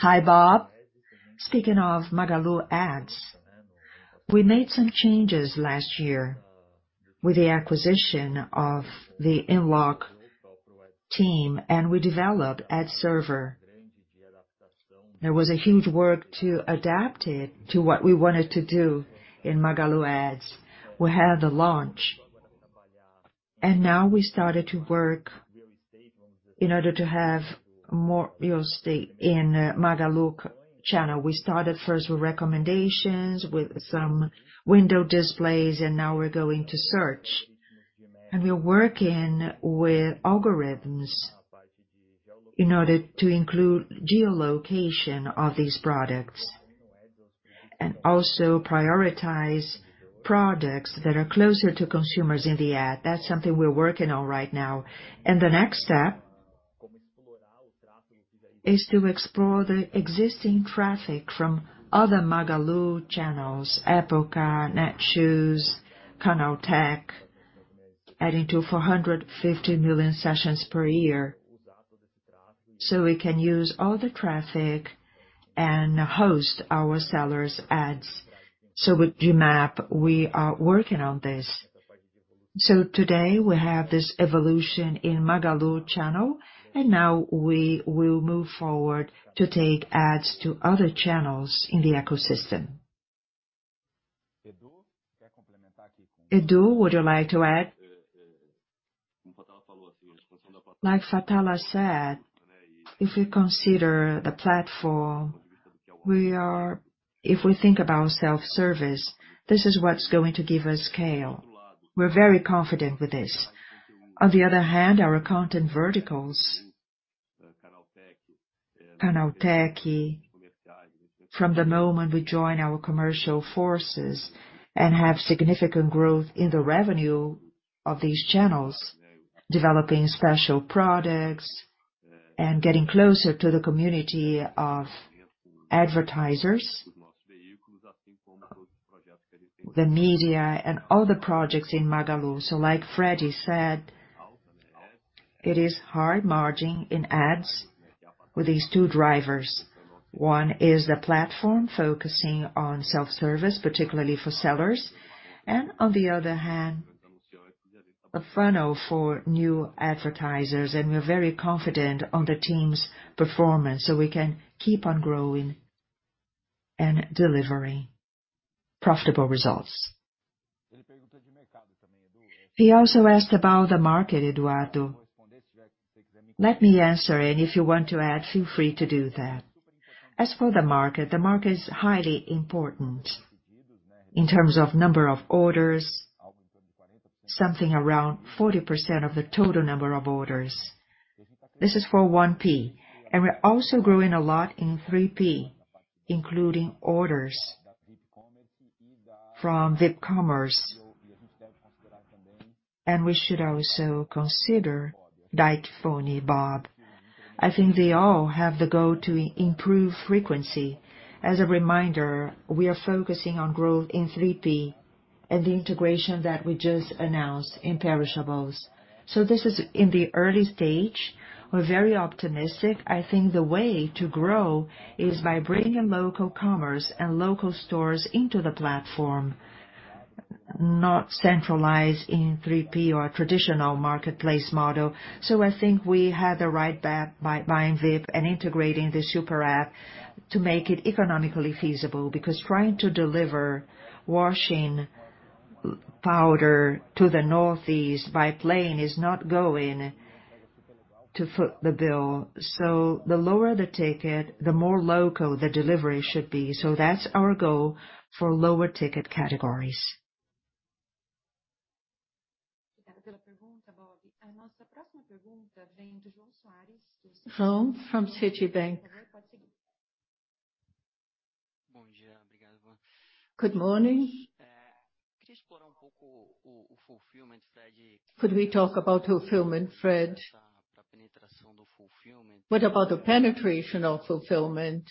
Hi, Bob. Speaking of Magalu ads, we made some changes last year with the acquisition of the InLoco team, and we developed ad server. There was a huge work to adapt it to what we wanted to do in Magalu ads. We had the launch, and now we started to work in order to have more real estate in Magalu channel. We started first with recommendations, with some window displays, and now we're going to search. We're working with algorithms in order to include geolocation of these products and also prioritize products that are closer to consumers in the ad. That's something we're working on right now. The next step is to explore the existing traffic from other Magalu channels, Época, Netshoes, Canaltech, adding to 450 million sessions per year, so we can use all the traffic and host our sellers' ads. With Gmap, we are working on this. Today, we have this evolution in Magalu channel, and now we will move forward to take ads to other channels in the ecosystem. Edu, would you like to add? Like Fatala said, if we consider the platform, if we think about self-service, this is what's going to give us scale. We're very confident with this. On the other hand, our content verticals, Canaltech, from the moment we join our commercial forces and have significant growth in the revenue of these channels, developing special products and getting closer to the community of advertisers, the media and other projects in Magalu. Like Freddy said, it is high margin in ads with these two drivers. One is the platform focusing on self-service, particularly for sellers, and on the other hand, a funnel for new advertisers. We're very confident on the team's performance, so we can keep on growing and delivering profitable results. He also asked about the market, Eduardo. Let me answer, and if you want to add, feel free to do that. As for the market, the market is highly important. In terms of number of orders, something around 40% of the total number of orders. This is for 1P. We're also growing a lot in 3P, including orders from VipCommerce. We should also consider Dyke, Foni, Bob. I think they all have the goal to improve frequency. As a reminder, we are focusing on growth in 3P and the integration that we just announced in perishables. This is in the early stage. We're very optimistic. I think the way to grow is by bringing local commerce and local stores into the platform, not centralized in 3P or traditional marketplace model. I think we had the right bet by buying VipCommerce and integrating the Super App to make it economically feasible. Because trying to deliver washing powder to the Northeast by plane is not going to foot the bill. The lower the ticket, the more local the delivery should be. That's our goal for lower ticket categories. Home from Citibank. Good morning. Could we talk about fulfillment, Fred? What about the penetration of fulfillment,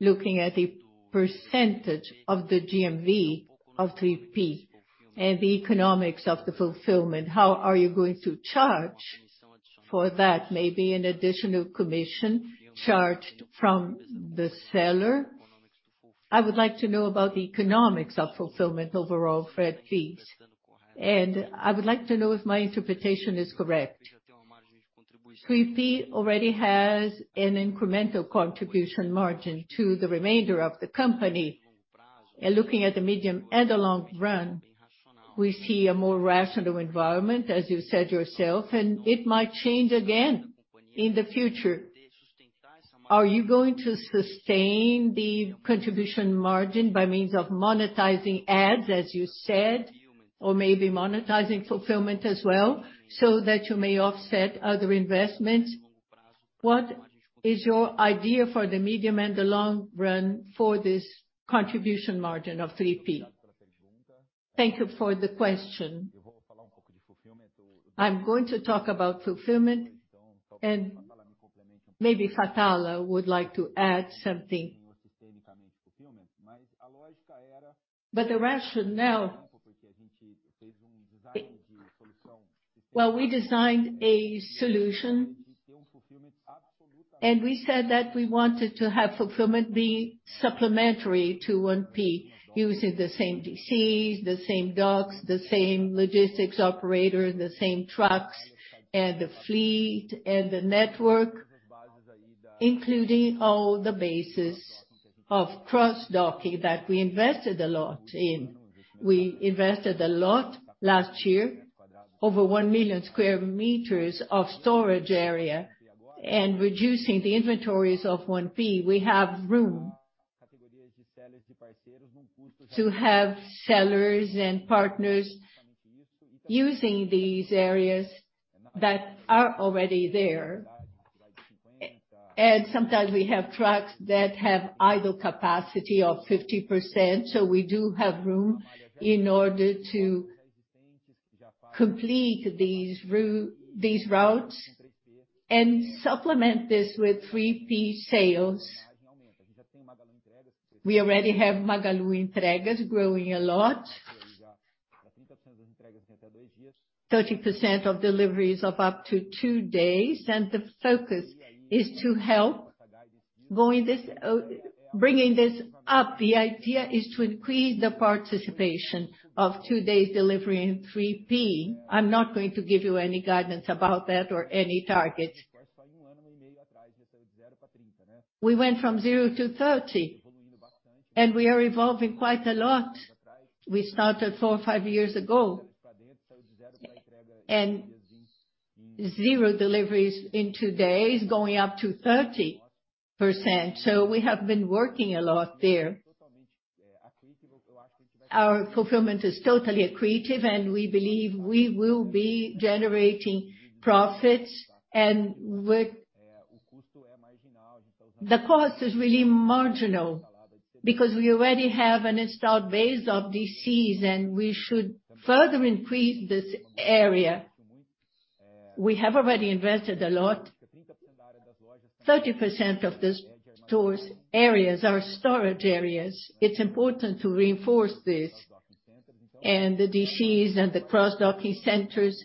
looking at the percentage of the GMV of 3P and the economics of the fulfillment? How are you going to charge for that? Maybe an additional commission charged from the seller. I would like to know about the economics of fulfillment overall, Fred, please. I would like to know if my interpretation is correct. 3P already has an incremental contribution margin to the remainder of the company. Looking at the medium and the long run, we see a more rational environment, as you said yourself, and it might change again in the future. Are you going to sustain the contribution margin by means of monetizing ads, as you said, or maybe monetizing fulfillment as well so that you may offset other investments? What is your idea for the medium and the long run for this contribution margin of 3P? Thank you for the question. I'm going to talk about fulfillment, and maybe Fatala would like to add something. The rationale. Well, we designed a solution, and we said that we wanted to have fulfillment be supplementary to 1P, using the same DCs, the same docks, the same logistics operator, the same trucks and the fleet and the network, including all the bases of cross-docking that we invested a lot in. We invested a lot last year, over 1 million sq meters of storage area, and reducing the inventories of 1P. We have room to have sellers and partners using these areas that are already there. Sometimes we have trucks that have idle capacity of 50%, so we do have room in order to complete these routes and supplement this with 3P sales. We already have Magalu Entregas growing a lot. 30% of deliveries of up to two days, and the focus is to help growing this, bringing this up. The idea is to increase the participation of two days delivery in 3P. I'm not going to give you any guidance about that or any target. We went from 0% to 30%, and we are evolving quite a lot. We started four or five years ago, and zero deliveries in two days going up to 30%. We have been working a lot there. Our fulfillment is totally accretive, and we believe we will be generating profits and with the cost is really marginal because we already have an installed base of DCs, and we should further increase this area. We have already invested a lot. 30% of the store's areas are storage areas. It's important to reinforce this and the DCs and the cross-docking centers.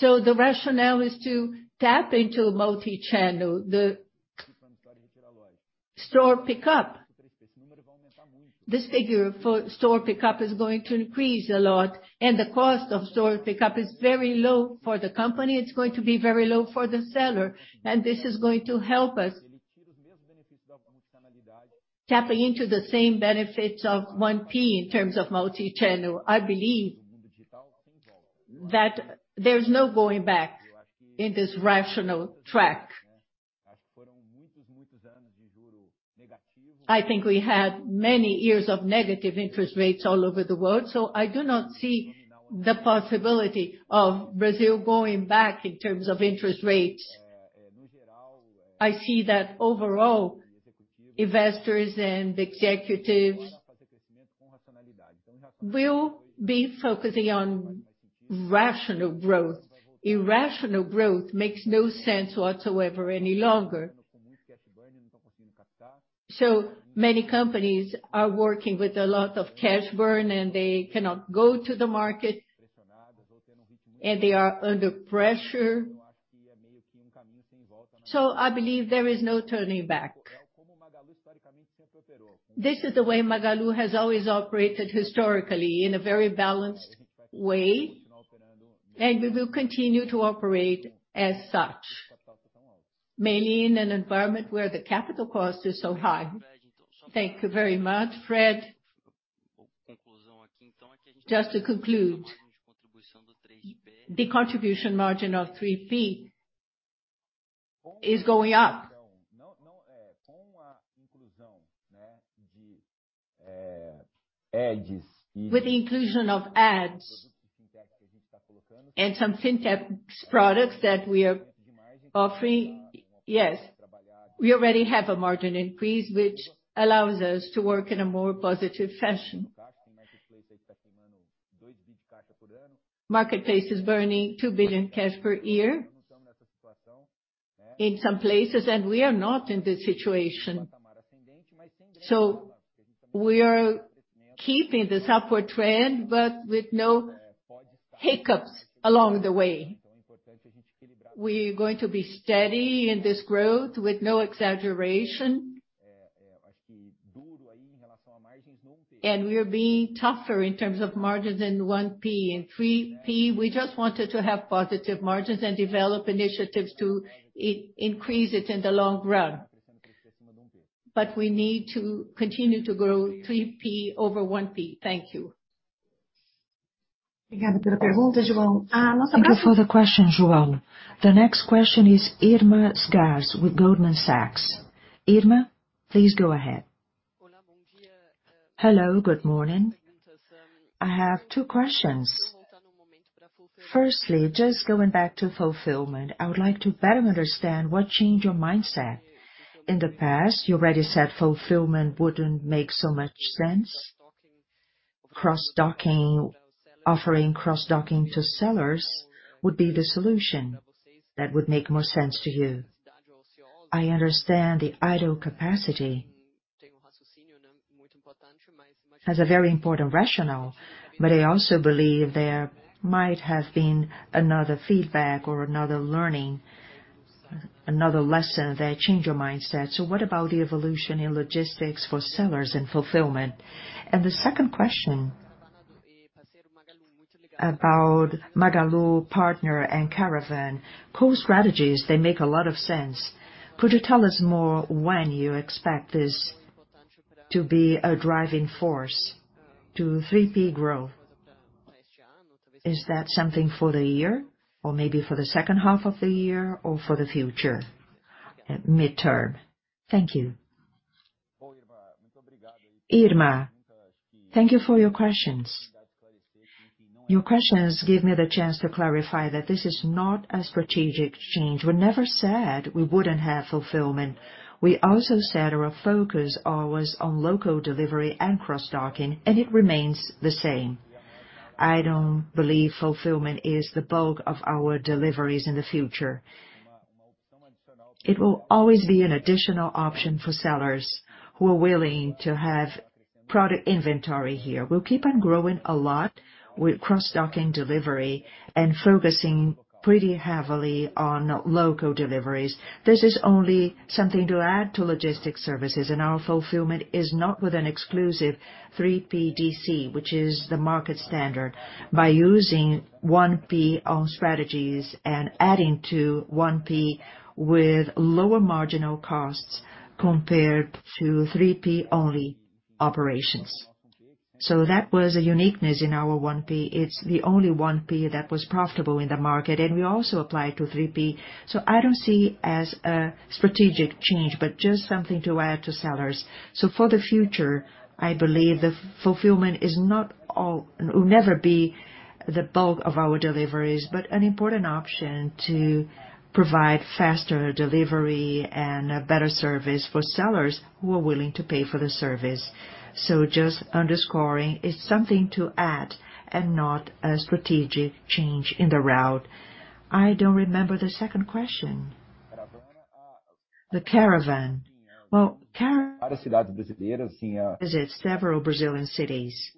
The rationale is to tap into multi-channel. The store pickup, this figure for store pickup is going to increase a lot, and the cost of store pickup is very low for the company. It's going to be very low for the seller, and this is going to help us. Tapping into the same benefits of 1P in terms of multi-channel. I believe that there's no going back in this rationale track. I think we had many years of negative interest rates all over the world, so I do not see the possibility of Brazil going back in terms of interest rates. I see that overall investors and executives will be focusing on rational growth. Irrational growth makes no sense whatsoever any longer. Many companies are working with a lot of cash burn, and they cannot go to the market, and they are under pressure. I believe there is no turning back. This is the way Magalu has always operated historically, in a very balanced way, and we will continue to operate as such, mainly in an environment where the capital cost is so high. Thank you very much. Fred. Just to conclude, the contribution margin of 3P is going up. With the inclusion of ads and some fintech products that we are offering. Yes, we already have a margin increase, which allows us to work in a more positive fashion. Marketplace is burning 2 billion cash per year in some places, and we are not in this situation. We are keeping this upward trend, but with no hiccups along the way. We are going to be steady in this growth with no exaggeration. We are being tougher in terms of margins in 1P. In 3P, we just wanted to have positive margins and develop initiatives to increase it in the long run. We need to continue to grow 3P over 1P. Thank you. Thank you for the question, João. The next question is Irma Sgarz with Goldman Sachs. Irma, please go ahead. Hello, good morning. I have two questions. Firstly, just going back to fulfillment, I would like to better understand what changed your mindset. In the past, you already said fulfillment wouldn't make so much sense. Cross-docking, offering cross-docking to sellers would be the solution that would make more sense to you. I understand the idle capacity has a very important rationale, but I also believe there might have been another feedback or another learning, another lesson that changed your mindset. What about the evolution in logistics for sellers and fulfillment? The second question about Parceiro Magalu and Caravana Magalu co-strategies, they make a lot of sense. Could you tell us more when you expect this to be a driving force to 3P growth? Is that something for the year or maybe for the second half of the year or for the future midterm? Thank you. Irma, thank you for your questions. Your questions give me the chance to clarify that this is not a strategic change. We never said we wouldn't have fulfillment. We also said our focus was on local delivery and cross-docking, and it remains the same. I don't believe fulfillment is the bulk of our deliveries in the future. It will always be an additional option for sellers who are willing to have product inventory here. We'll keep on growing a lot with cross-docking delivery and focusing pretty heavily on local deliveries. This is only something to add to logistics services, and our fulfillment is not with an exclusive 3P DC, which is the market standard, by using 1P-only strategies and adding to 1P with lower marginal costs compared to 3P-only operations. That was a uniqueness in our 1P. It's the only 1P that was profitable in the market, and we also apply it to 3P. I don't see as a strategic change, but just something to add to sellers. For the future, I believe the fulfillment is not all. Will never be the bulk of our deliveries, but an important option to provide faster delivery and a better service for sellers who are willing to pay for the service. Just underscoring it's something to add and not a strategic change in the route. I don't remember the second question. The Caravana. Well, Caravana visits several Brazilian cities.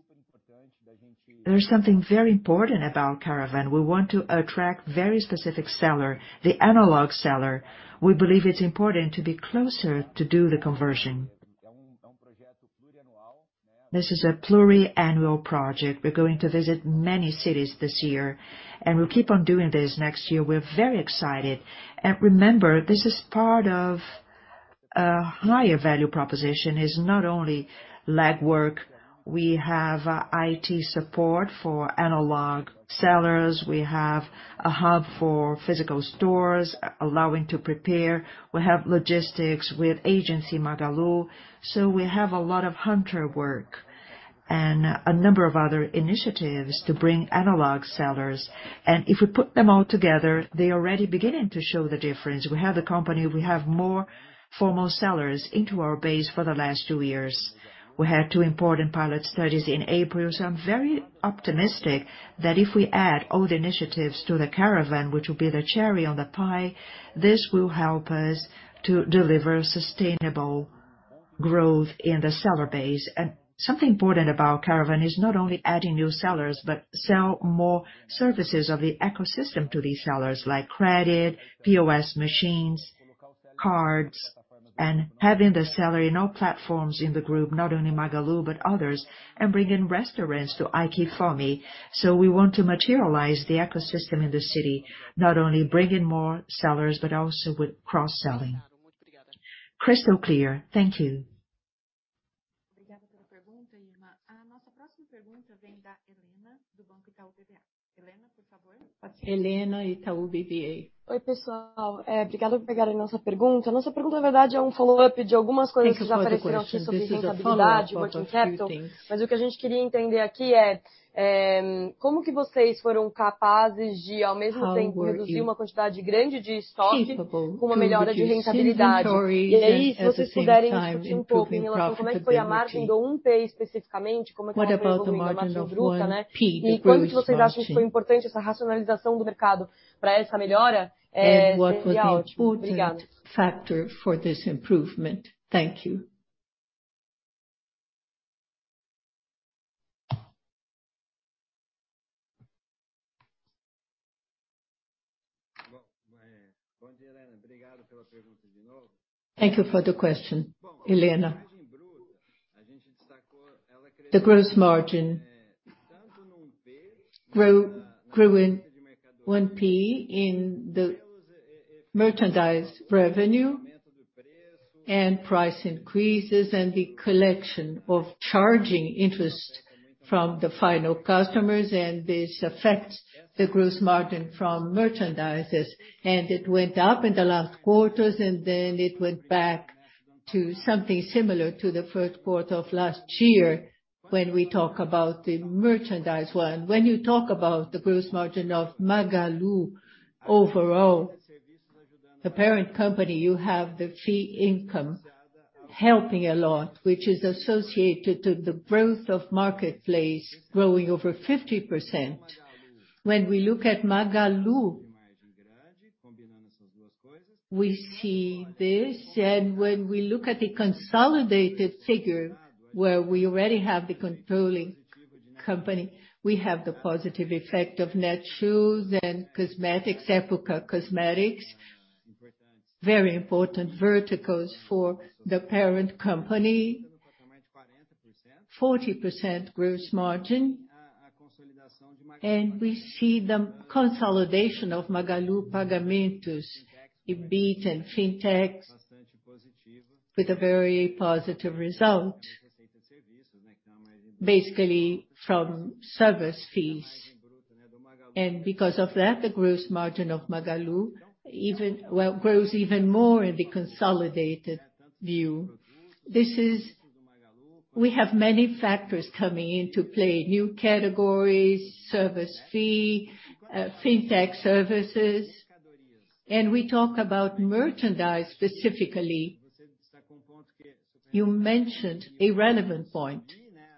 There's something very important about Caravana. We want to attract very specific seller, the analog seller. We believe it's important to be closer to do the conversion. This is a pluriannual project. We're going to visit many cities this year, and we'll keep on doing this next year. We're very excited. Remember, this is part of A higher value proposition is not only legwork. We have IT support for analog sellers. We have a hub for physical stores allowing to prepare. We have logistics with Agência Magalu. We have a lot of handiwork and a number of other initiatives to bring analog sellers. If we put them all together, they're already beginning to show the difference. We have the company, we have more formal sellers into our base for the last two years. We had two important pilot studies in April. I'm very optimistic that if we add all the initiatives to the Caravana, which will be the cherry on the pie, this will help us to deliver sustainable growth in the seller base. Something important about Caravana Magalu is not only adding new sellers, but sell more services of the ecosystem to these sellers like credit, POS machines, cards, and having the seller in all platforms in the group, not only Magalu, but others, and bring in restaurants to iFood. We want to materialize the ecosystem in the city, not only bring in more sellers, but also with cross-selling. Crystal clear. Thank you. How were you capable of reducing inventories at the same time improving profitability? What about the margin of 1P, the gross margin? What was the important factor for this improvement? Thank you. Thank you for the question, Elena. The gross margin grew in 1P in the merchandise revenue and price increases and the collection of charging interest from the final customers, and this affects the gross margin from merchandises. It went up in the last quarters, and then it went back to something similar to the first quarter of last year when we talk about the merchandise one. When you talk about the gross margin of Magalu overall, the parent company, you have the fee income helping a lot, which is associated to the growth of marketplace growing over 50%. When we look at Magalu, we see this. When we look at the consolidated figure where we already have the controlling company, we have the positive effect of Netshoes and cosmetics, Época Cosméticos, very important verticals for the parent company. 40% gross margin. We see the consolidation of Magalu Pagamentos, Ibit and fintechs with a very positive result, basically from service fees. Because of that, the gross margin of Magalu even well grows even more in the consolidated view. We have many factors coming into play, new categories, service fee, fintech services. We talk about merchandise specifically. You mentioned a relevant point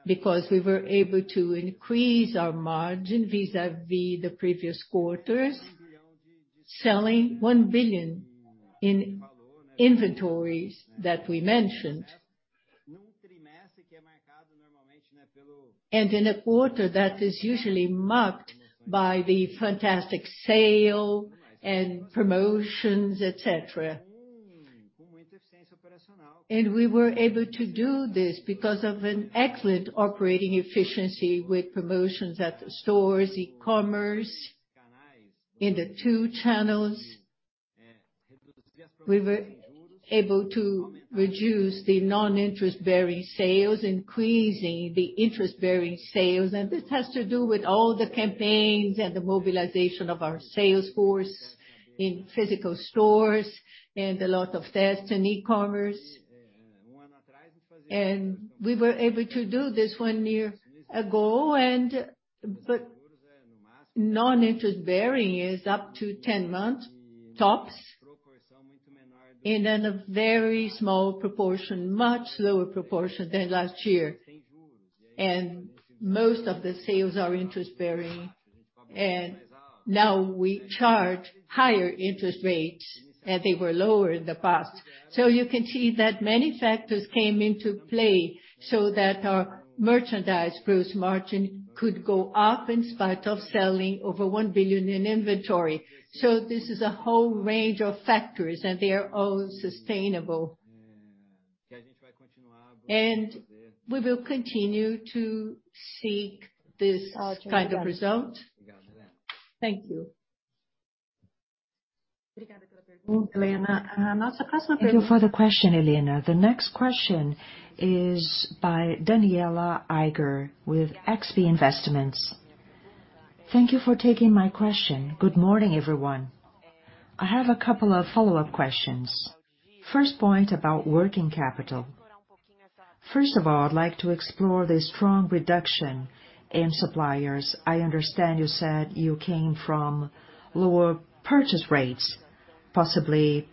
because we were able to increase our margin vis-à-vis the previous quarters, selling 1 billion in inventories that we mentioned. In a quarter that is usually marked by the fantastic sale and promotions, et cetera. We were able to do this because of an excellent operating efficiency with promotions at stores, e-commerce. In the two channels, we were able to reduce the non-interest bearing sales, increasing the interest bearing sales. This has to do with all the campaigns and the mobilization of our sales force in physical stores and a lot of tests in e-commerce. We were able to do this one year ago. Non-interest bearing is up to 10 months tops, and in a very small proportion, much lower proportion than last year. Most of the sales are interest bearing. Now we charge higher interest rates, and they were lower in the past. You can see that many factors came into play so that our merchandise gross margin could go up in spite of selling over 1 billion in inventory. This is a whole range of factors, and they are all sustainable. We will continue to seek this kind of result. Thank you. Thank you for the question, Elena. The next question is by Daniela Eiger with XP Investimentos. Thank you for taking my question. Good morning, everyone. I have a couple of follow-up questions. First point about working capital. First of all, I'd like to explore the strong reduction in suppliers. I understand you said you came from lower purchase rates. Possibly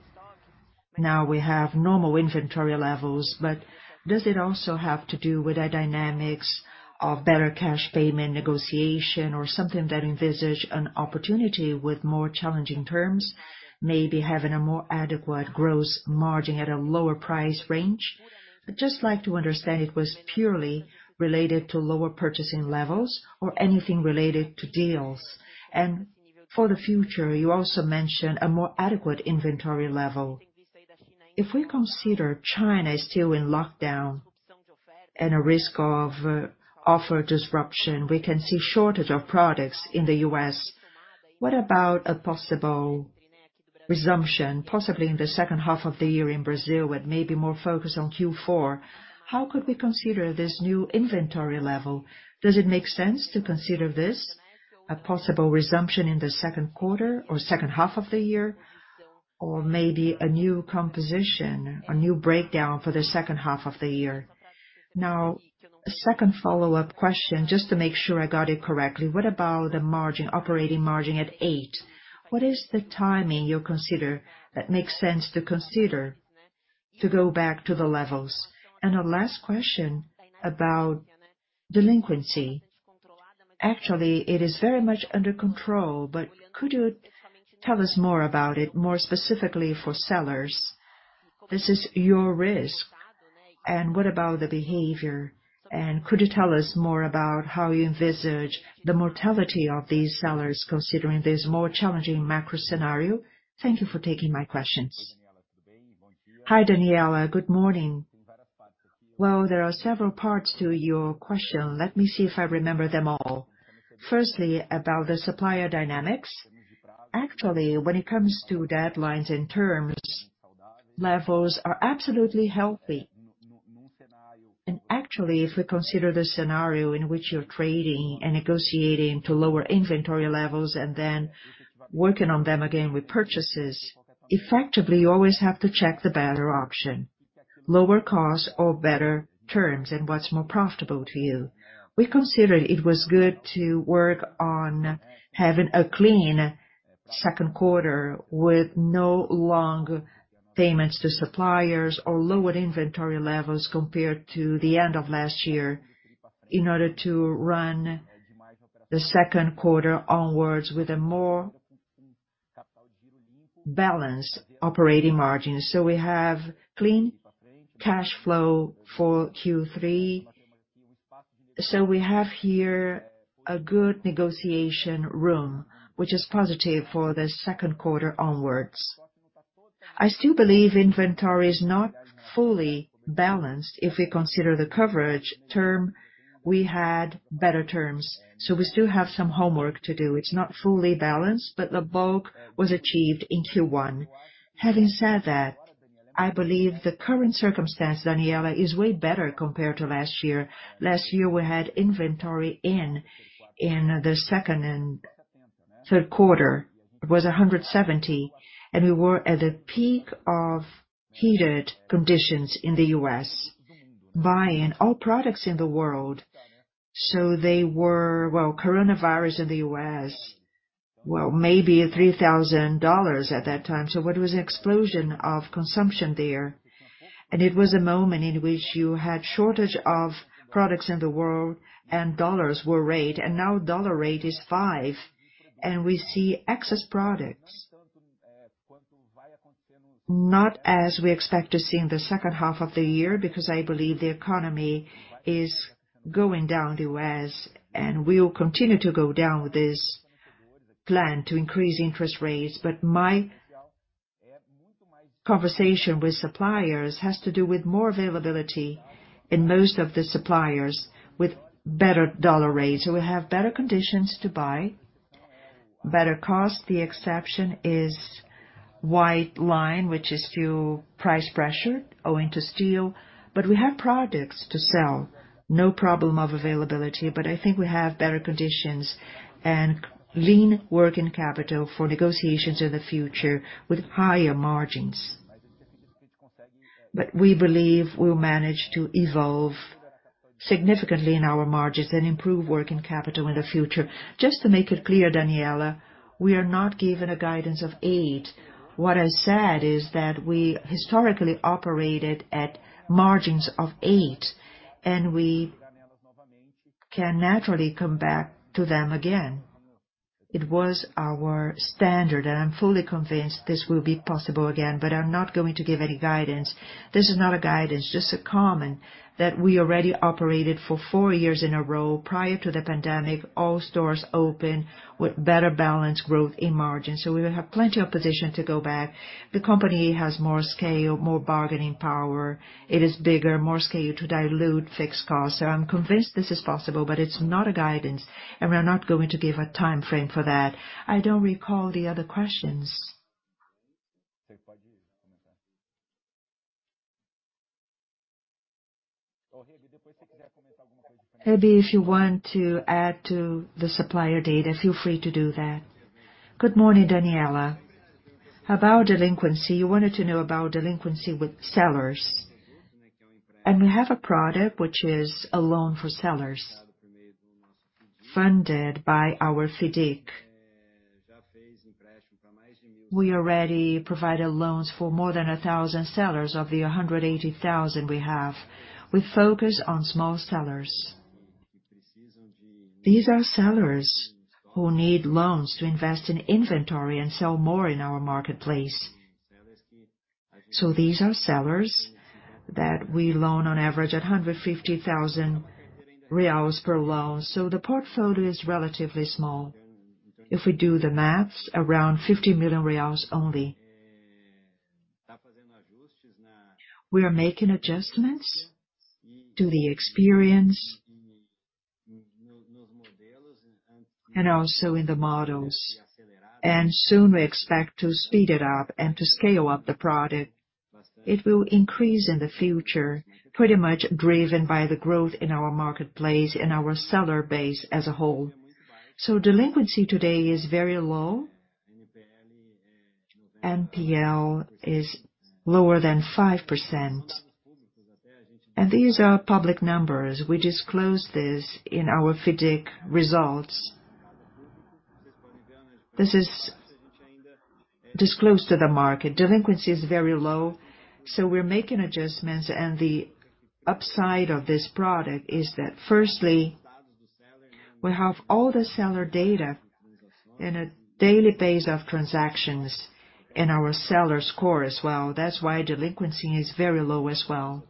now we have normal inventory levels, but does it also have to do with the dynamics of better cash payment negotiation or something that envisage an opportunity with more challenging terms, maybe having a more adequate gross margin at a lower price range? I'd just like to understand it was purely related to lower purchasing levels or anything related to deals. For the future, you also mentioned a more adequate inventory level. If we consider China is still in lockdown and a risk of supply disruption, we can see shortage of products in the U.S. What about a possible resumption, possibly in the second half of the year in Brazil, and maybe more focused on Q4? How could we consider this new inventory level? Does it make sense to consider this a possible resumption in the second quarter or second half of the year, or maybe a new composition, a new breakdown for the second half of the year? Now, a second follow-up question, just to make sure I got it correctly. What about the margin, operating margin at 8%? What is the timing you consider that makes sense to consider to go back to the levels? A last question about delinquency. Actually, it is very much under control, but could you tell us more about it, more specifically for sellers? This is your risk. What about the behavior? Could you tell us more about how you envisage the mortality of these sellers considering this more challenging macro scenario? Thank you for taking my questions. Hi, Daniela. Good morning. Well, there are several parts to your question. Let me see if I remember them all. Firstly, about the supplier dynamics. Actually, when it comes to deadlines and terms, levels are absolutely healthy. Actually, if we consider the scenario in which you're trading and negotiating to lower inventory levels and then working on them again with purchases, effectively, you always have to check the better option, lower cost or better terms, and what's more profitable to you. We consider it was good to work on having a clean second quarter with no long payments to suppliers or lower inventory levels compared to the end of last year in order to run the second quarter onwards with a more balanced operating margin. We have clean cash flow for Q3. We have here a good negotiation room, which is positive for the second quarter onwards. I still believe inventory is not fully balanced. If we consider the coverage term, we had better terms, so we still have some homework to do. It's not fully balanced, but the bulk was achieved in Q1. Having said that, I believe the current circumstance, Daniela, is way better compared to last year. Last year, we had inventory in the second and third quarter. It was 170, and we were at the peak of heated conditions in the US, buying all products in the world. Well, coronavirus in the U.S., well, maybe $3,000 at that time. It was an explosion of consumption there. It was a moment in which you had shortage of products in the world and dollars were rare, and now dollar rate is five, and we see excess products. Not as we expect to see in the second half of the year, because I believe the economy is going down in the U.S., and will continue to go down with this plan to increase interest rates. My conversation with suppliers has to do with more availability in most of the suppliers with better dollar rates, who will have better conditions to buy, better cost. The exception is white line, which is still price pressured owing to steel. We have products to sell, no problem of availability, but I think we have better conditions and lean working capital for negotiations in the future with higher margins. We believe we'll manage to evolve significantly in our margins and improve working capital in the future. Just to make it clear, Daniela, we are not giving a guidance of 8%. What I said is that we historically operated at margins of 8%, and we can naturally come back to them again. It was our standard, and I'm fully convinced this will be possible again, but I'm not going to give any guidance. This is not a guidance, just a comment that we already operated for four years in a row prior to the pandemic, all stores open with better balanced growth in margins. We will have plenty of position to go back. The company has more scale, more bargaining power. It is bigger, more scale to dilute fixed costs. I'm convinced this is possible, but it's not a guidance, and we're not going to give a timeframe for that. I don't recall the other questions. Roberto, if you want to add to the supplier data, feel free to do that. Good morning, Daniela. About delinquency, you wanted to know about delinquency with sellers. We have a product which is a loan for sellers funded by our FIDC. We already provided loans for more than 1,000 sellers of the 180,000 we have. We focus on small sellers. These are sellers who need loans to invest in inventory and sell more in our marketplace. These are sellers that we loan on average 150,000 reais per loan. The portfolio is relatively small. If we do the math, around 50 million reais only. We are making adjustments to the experience and also in the models. Soon we expect to speed it up and to scale up the product. It will increase in the future, pretty much driven by the growth in our marketplace and our seller base as a whole. Delinquency today is very low. NPL is lower than 5%. These are public numbers. We disclosed this in our FIDC results. This is disclosed to the market. Delinquency is very low, so we're making adjustments. The upside of this product is that firstly, we have all the seller data in a daily basis of transactions and our seller score as well. That's why delinquency is very low as well.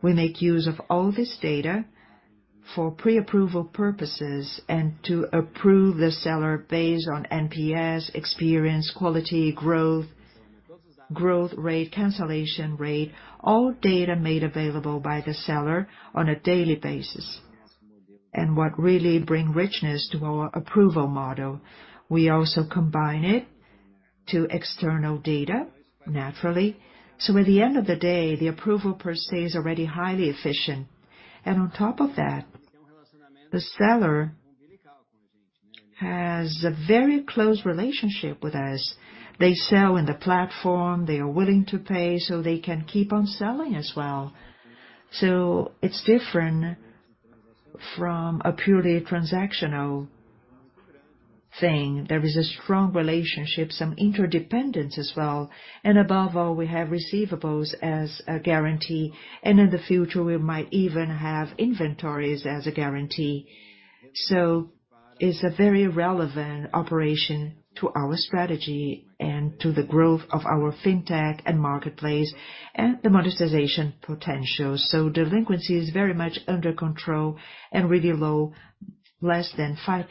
We make use of all this data for pre-approval purposes and to approve the seller based on NPS, experience, quality, growth rate, cancellation rate, all data made available by the seller on a daily basis. What really bring richness to our approval model. We also combine it to external data, naturally. At the end of the day, the approval per se is already highly efficient. On top of that, the seller has a very close relationship with us. They sell in the platform, they are willing to pay, so they can keep on selling as well. It's different from a purely transactional thing. There is a strong relationship, some interdependence as well. Above all, we have receivables as a guarantee. In the future, we might even have inventories as a guarantee. It's a very relevant operation to our strategy and to the growth of our fintech and marketplace and the monetization potential. Delinquency is very much under control and really low, less than 5%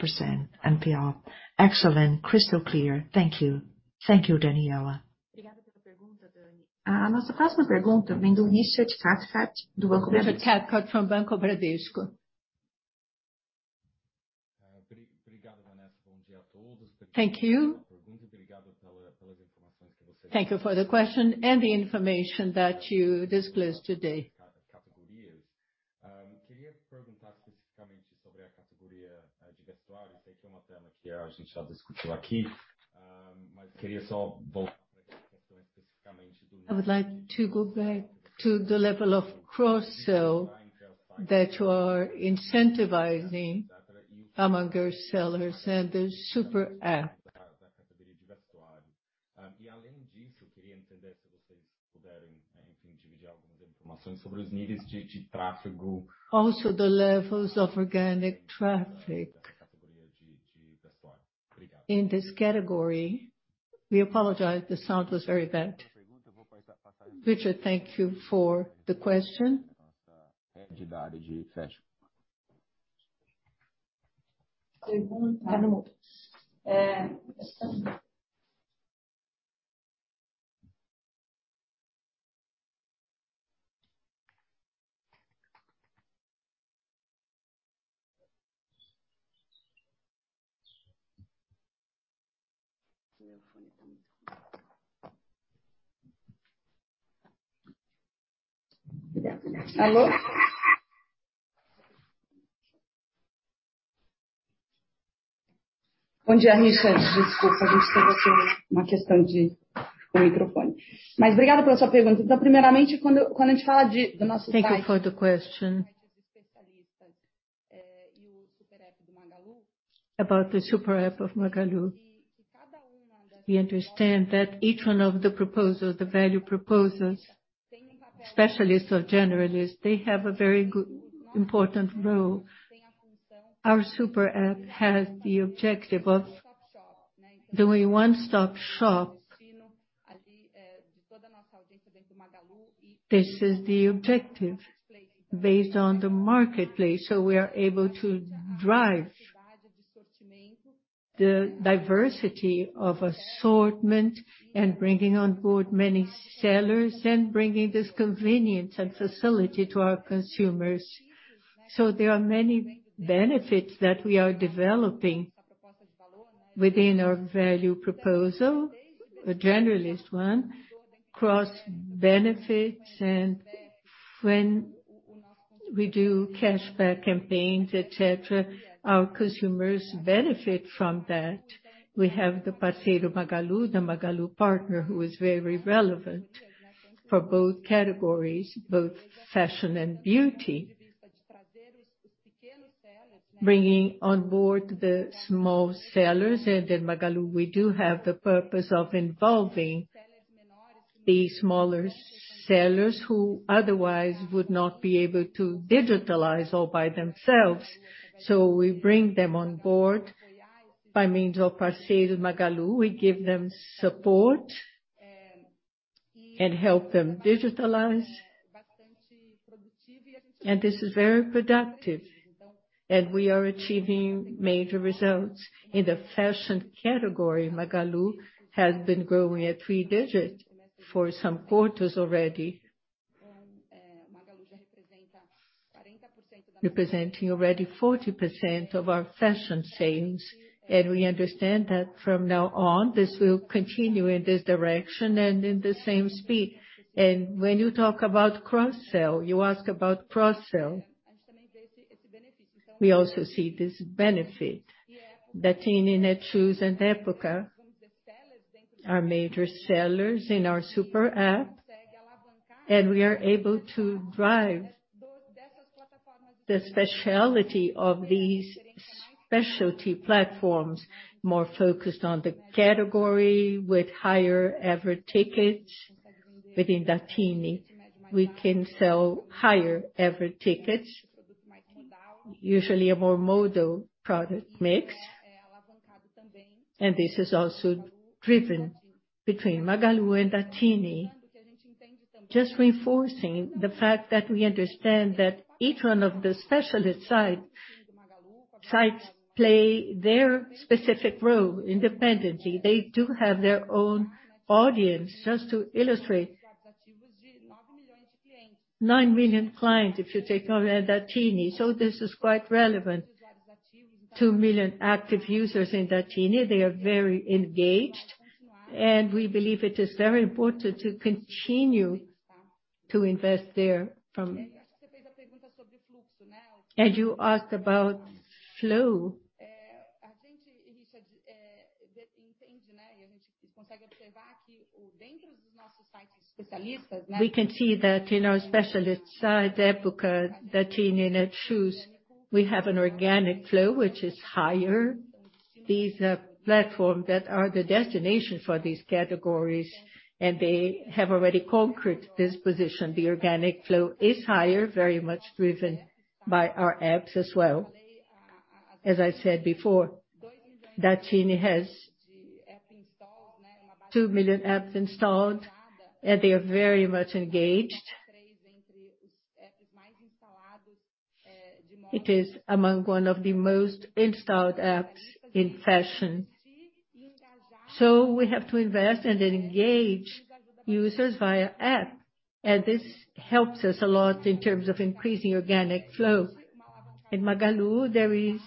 NPL. Excellent. Crystal clear. Thank you. Thank you, Daniela. from Banco Bradesco. Thank you. Thank you for the question and the information that you disclosed today. I would like to go back to the level of cross-sell that you are incentivizing among your sellers and the Super App. Also the levels of organic traffic in this category. We apologize, the sound was very bad. Richard, thank you for the question. Thank you for the question. About the Super App of Magalu. We understand that each one of the propositions, the value propositions, specialists or generalists, they have a very important role. Our Super App has the objective of doing one-stop shop. This is the objective based on the marketplace, so we are able to drive the diversity of assortment and bringing on board many sellers and bringing this convenience and facility to our consumers. There are many benefits that we are developing. Within our value proposal, a generalist one, cross benefits and when we do cashback campaigns, et cetera, our consumers benefit from that. We have the Parceiro Magalu, the Magalu partner, who is very relevant for both categories, both fashion and beauty. Bringing on board the small sellers and in Magalu, we do have the purpose of involving the smaller sellers who otherwise would not be able to digitalize all by themselves. So we bring them on board by means of Parceiro Magalu. We give them support and help them digitalize. This is very productive and we are achieving major results. In the fashion category, Magalu has been growing at three-digit for some quarters already. Representing already 40% of our fashion sales. We understand that from now on, this will continue in this direction and in the same speed. When you talk about cross-sell, you ask about cross-sell. We also see this benefit. Zattini, Netshoes, and Época are major sellers in our Super App, and we are able to drive the specialty of these specialty platforms more focused on the category with higher average tickets. Within Zattini, we can sell higher average tickets, usually a more modal product mix. This is also driven between Magalu and Zattini. Just reinforcing the fact that we understand that each one of the specialist sites play their specific role independently. They do have their own audience. Just to illustrate, 9 million clients, if you take Zattini. This is quite relevant. 2 million active users in Zattini, they are very engaged, and we believe it is very important to continue to invest therefrom. You asked about flow. We can see that in our specialist side, Época Cosméticos, Zattini, Netshoes, we have an organic flow which is higher. These are platforms that are the destination for these categories, and they have already conquered this position. The organic flow is higher, very much driven by our apps as well. As I said before, Zattini has 2 million apps installed, and they are very much engaged. It is among one of the most installed apps in fashion. We have to invest and engage users via app, and this helps us a lot in terms of increasing organic flow. In Magalu, there is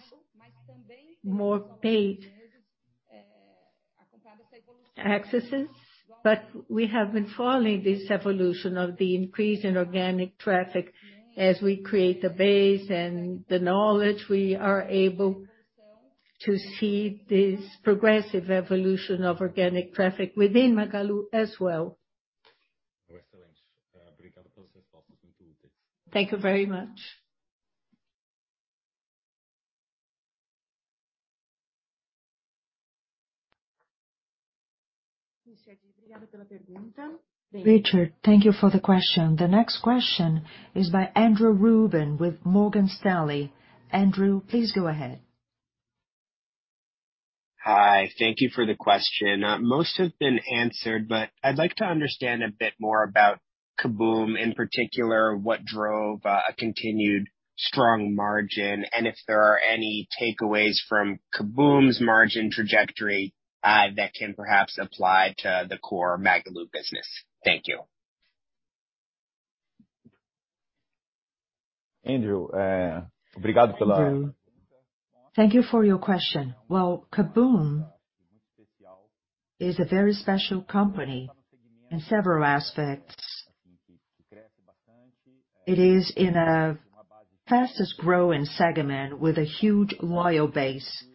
more paid accesses, but we have been following this evolution of the increase in organic traffic. As we create the base and the knowledge, we are able to see this progressive evolution of organic traffic within Magalu as well. Thank you very much. Ricardo, thank you for the question. The next question is by Andrew Ruben with Morgan Stanley. Andrew, please go ahead. Hi. Thank you for the question. Most have been answered, but I'd like to understand a bit more about KaBuM!, in particular, what drove a continued strong margin, and if there are any takeaways from KaBuM!'s margin trajectory, that can perhaps apply to the core Magalu business. Thank you. Andrew, thank you for your question. Well, KaBuM! is a very special company in several aspects. It is in a fastest growing segment with a huge loyal base.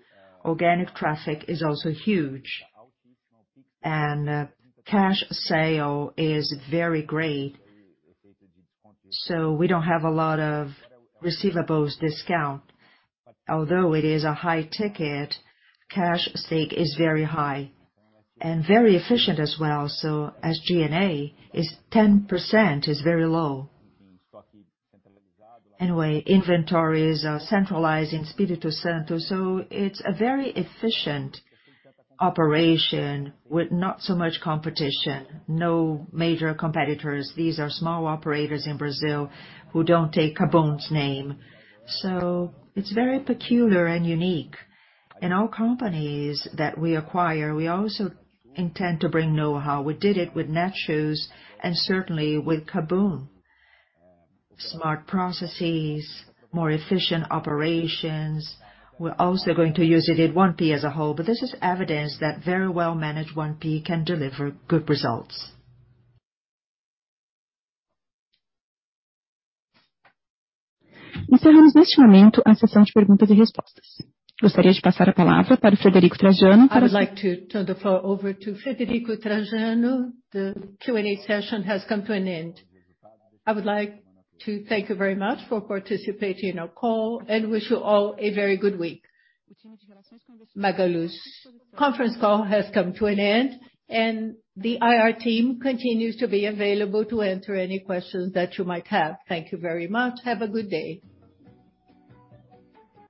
Organic traffic is also huge. Cash sale is very great. We don't have a lot of receivables discount. Although it is a high ticket, cash take is very high and very efficient as well. G&A is 10% is very low. Anyway, inventories are centralized in Espírito Santo, so it's a very efficient operation with not so much competition. No major competitors. These are small operators in Brazil who don't take KaBuM!'s name. It's very peculiar and unique. In all companies that we acquire, we also intend to bring know-how. We did it with Netshoes, and certainly with KaBuM!. Smart processes, more efficient operations. We're also going to use it in 1P as a whole. This is evidence that very well-managed 1P can deliver good results. I would like to turn the floor over to Frederico Trajano. The Q&A session has come to an end. I would like to thank you very much for participating in our call and wish you all a very good week. Magalu's conference call has come to an end, and the IR team continues to be available to answer any questions that you might have. Thank you very much. Have a good day.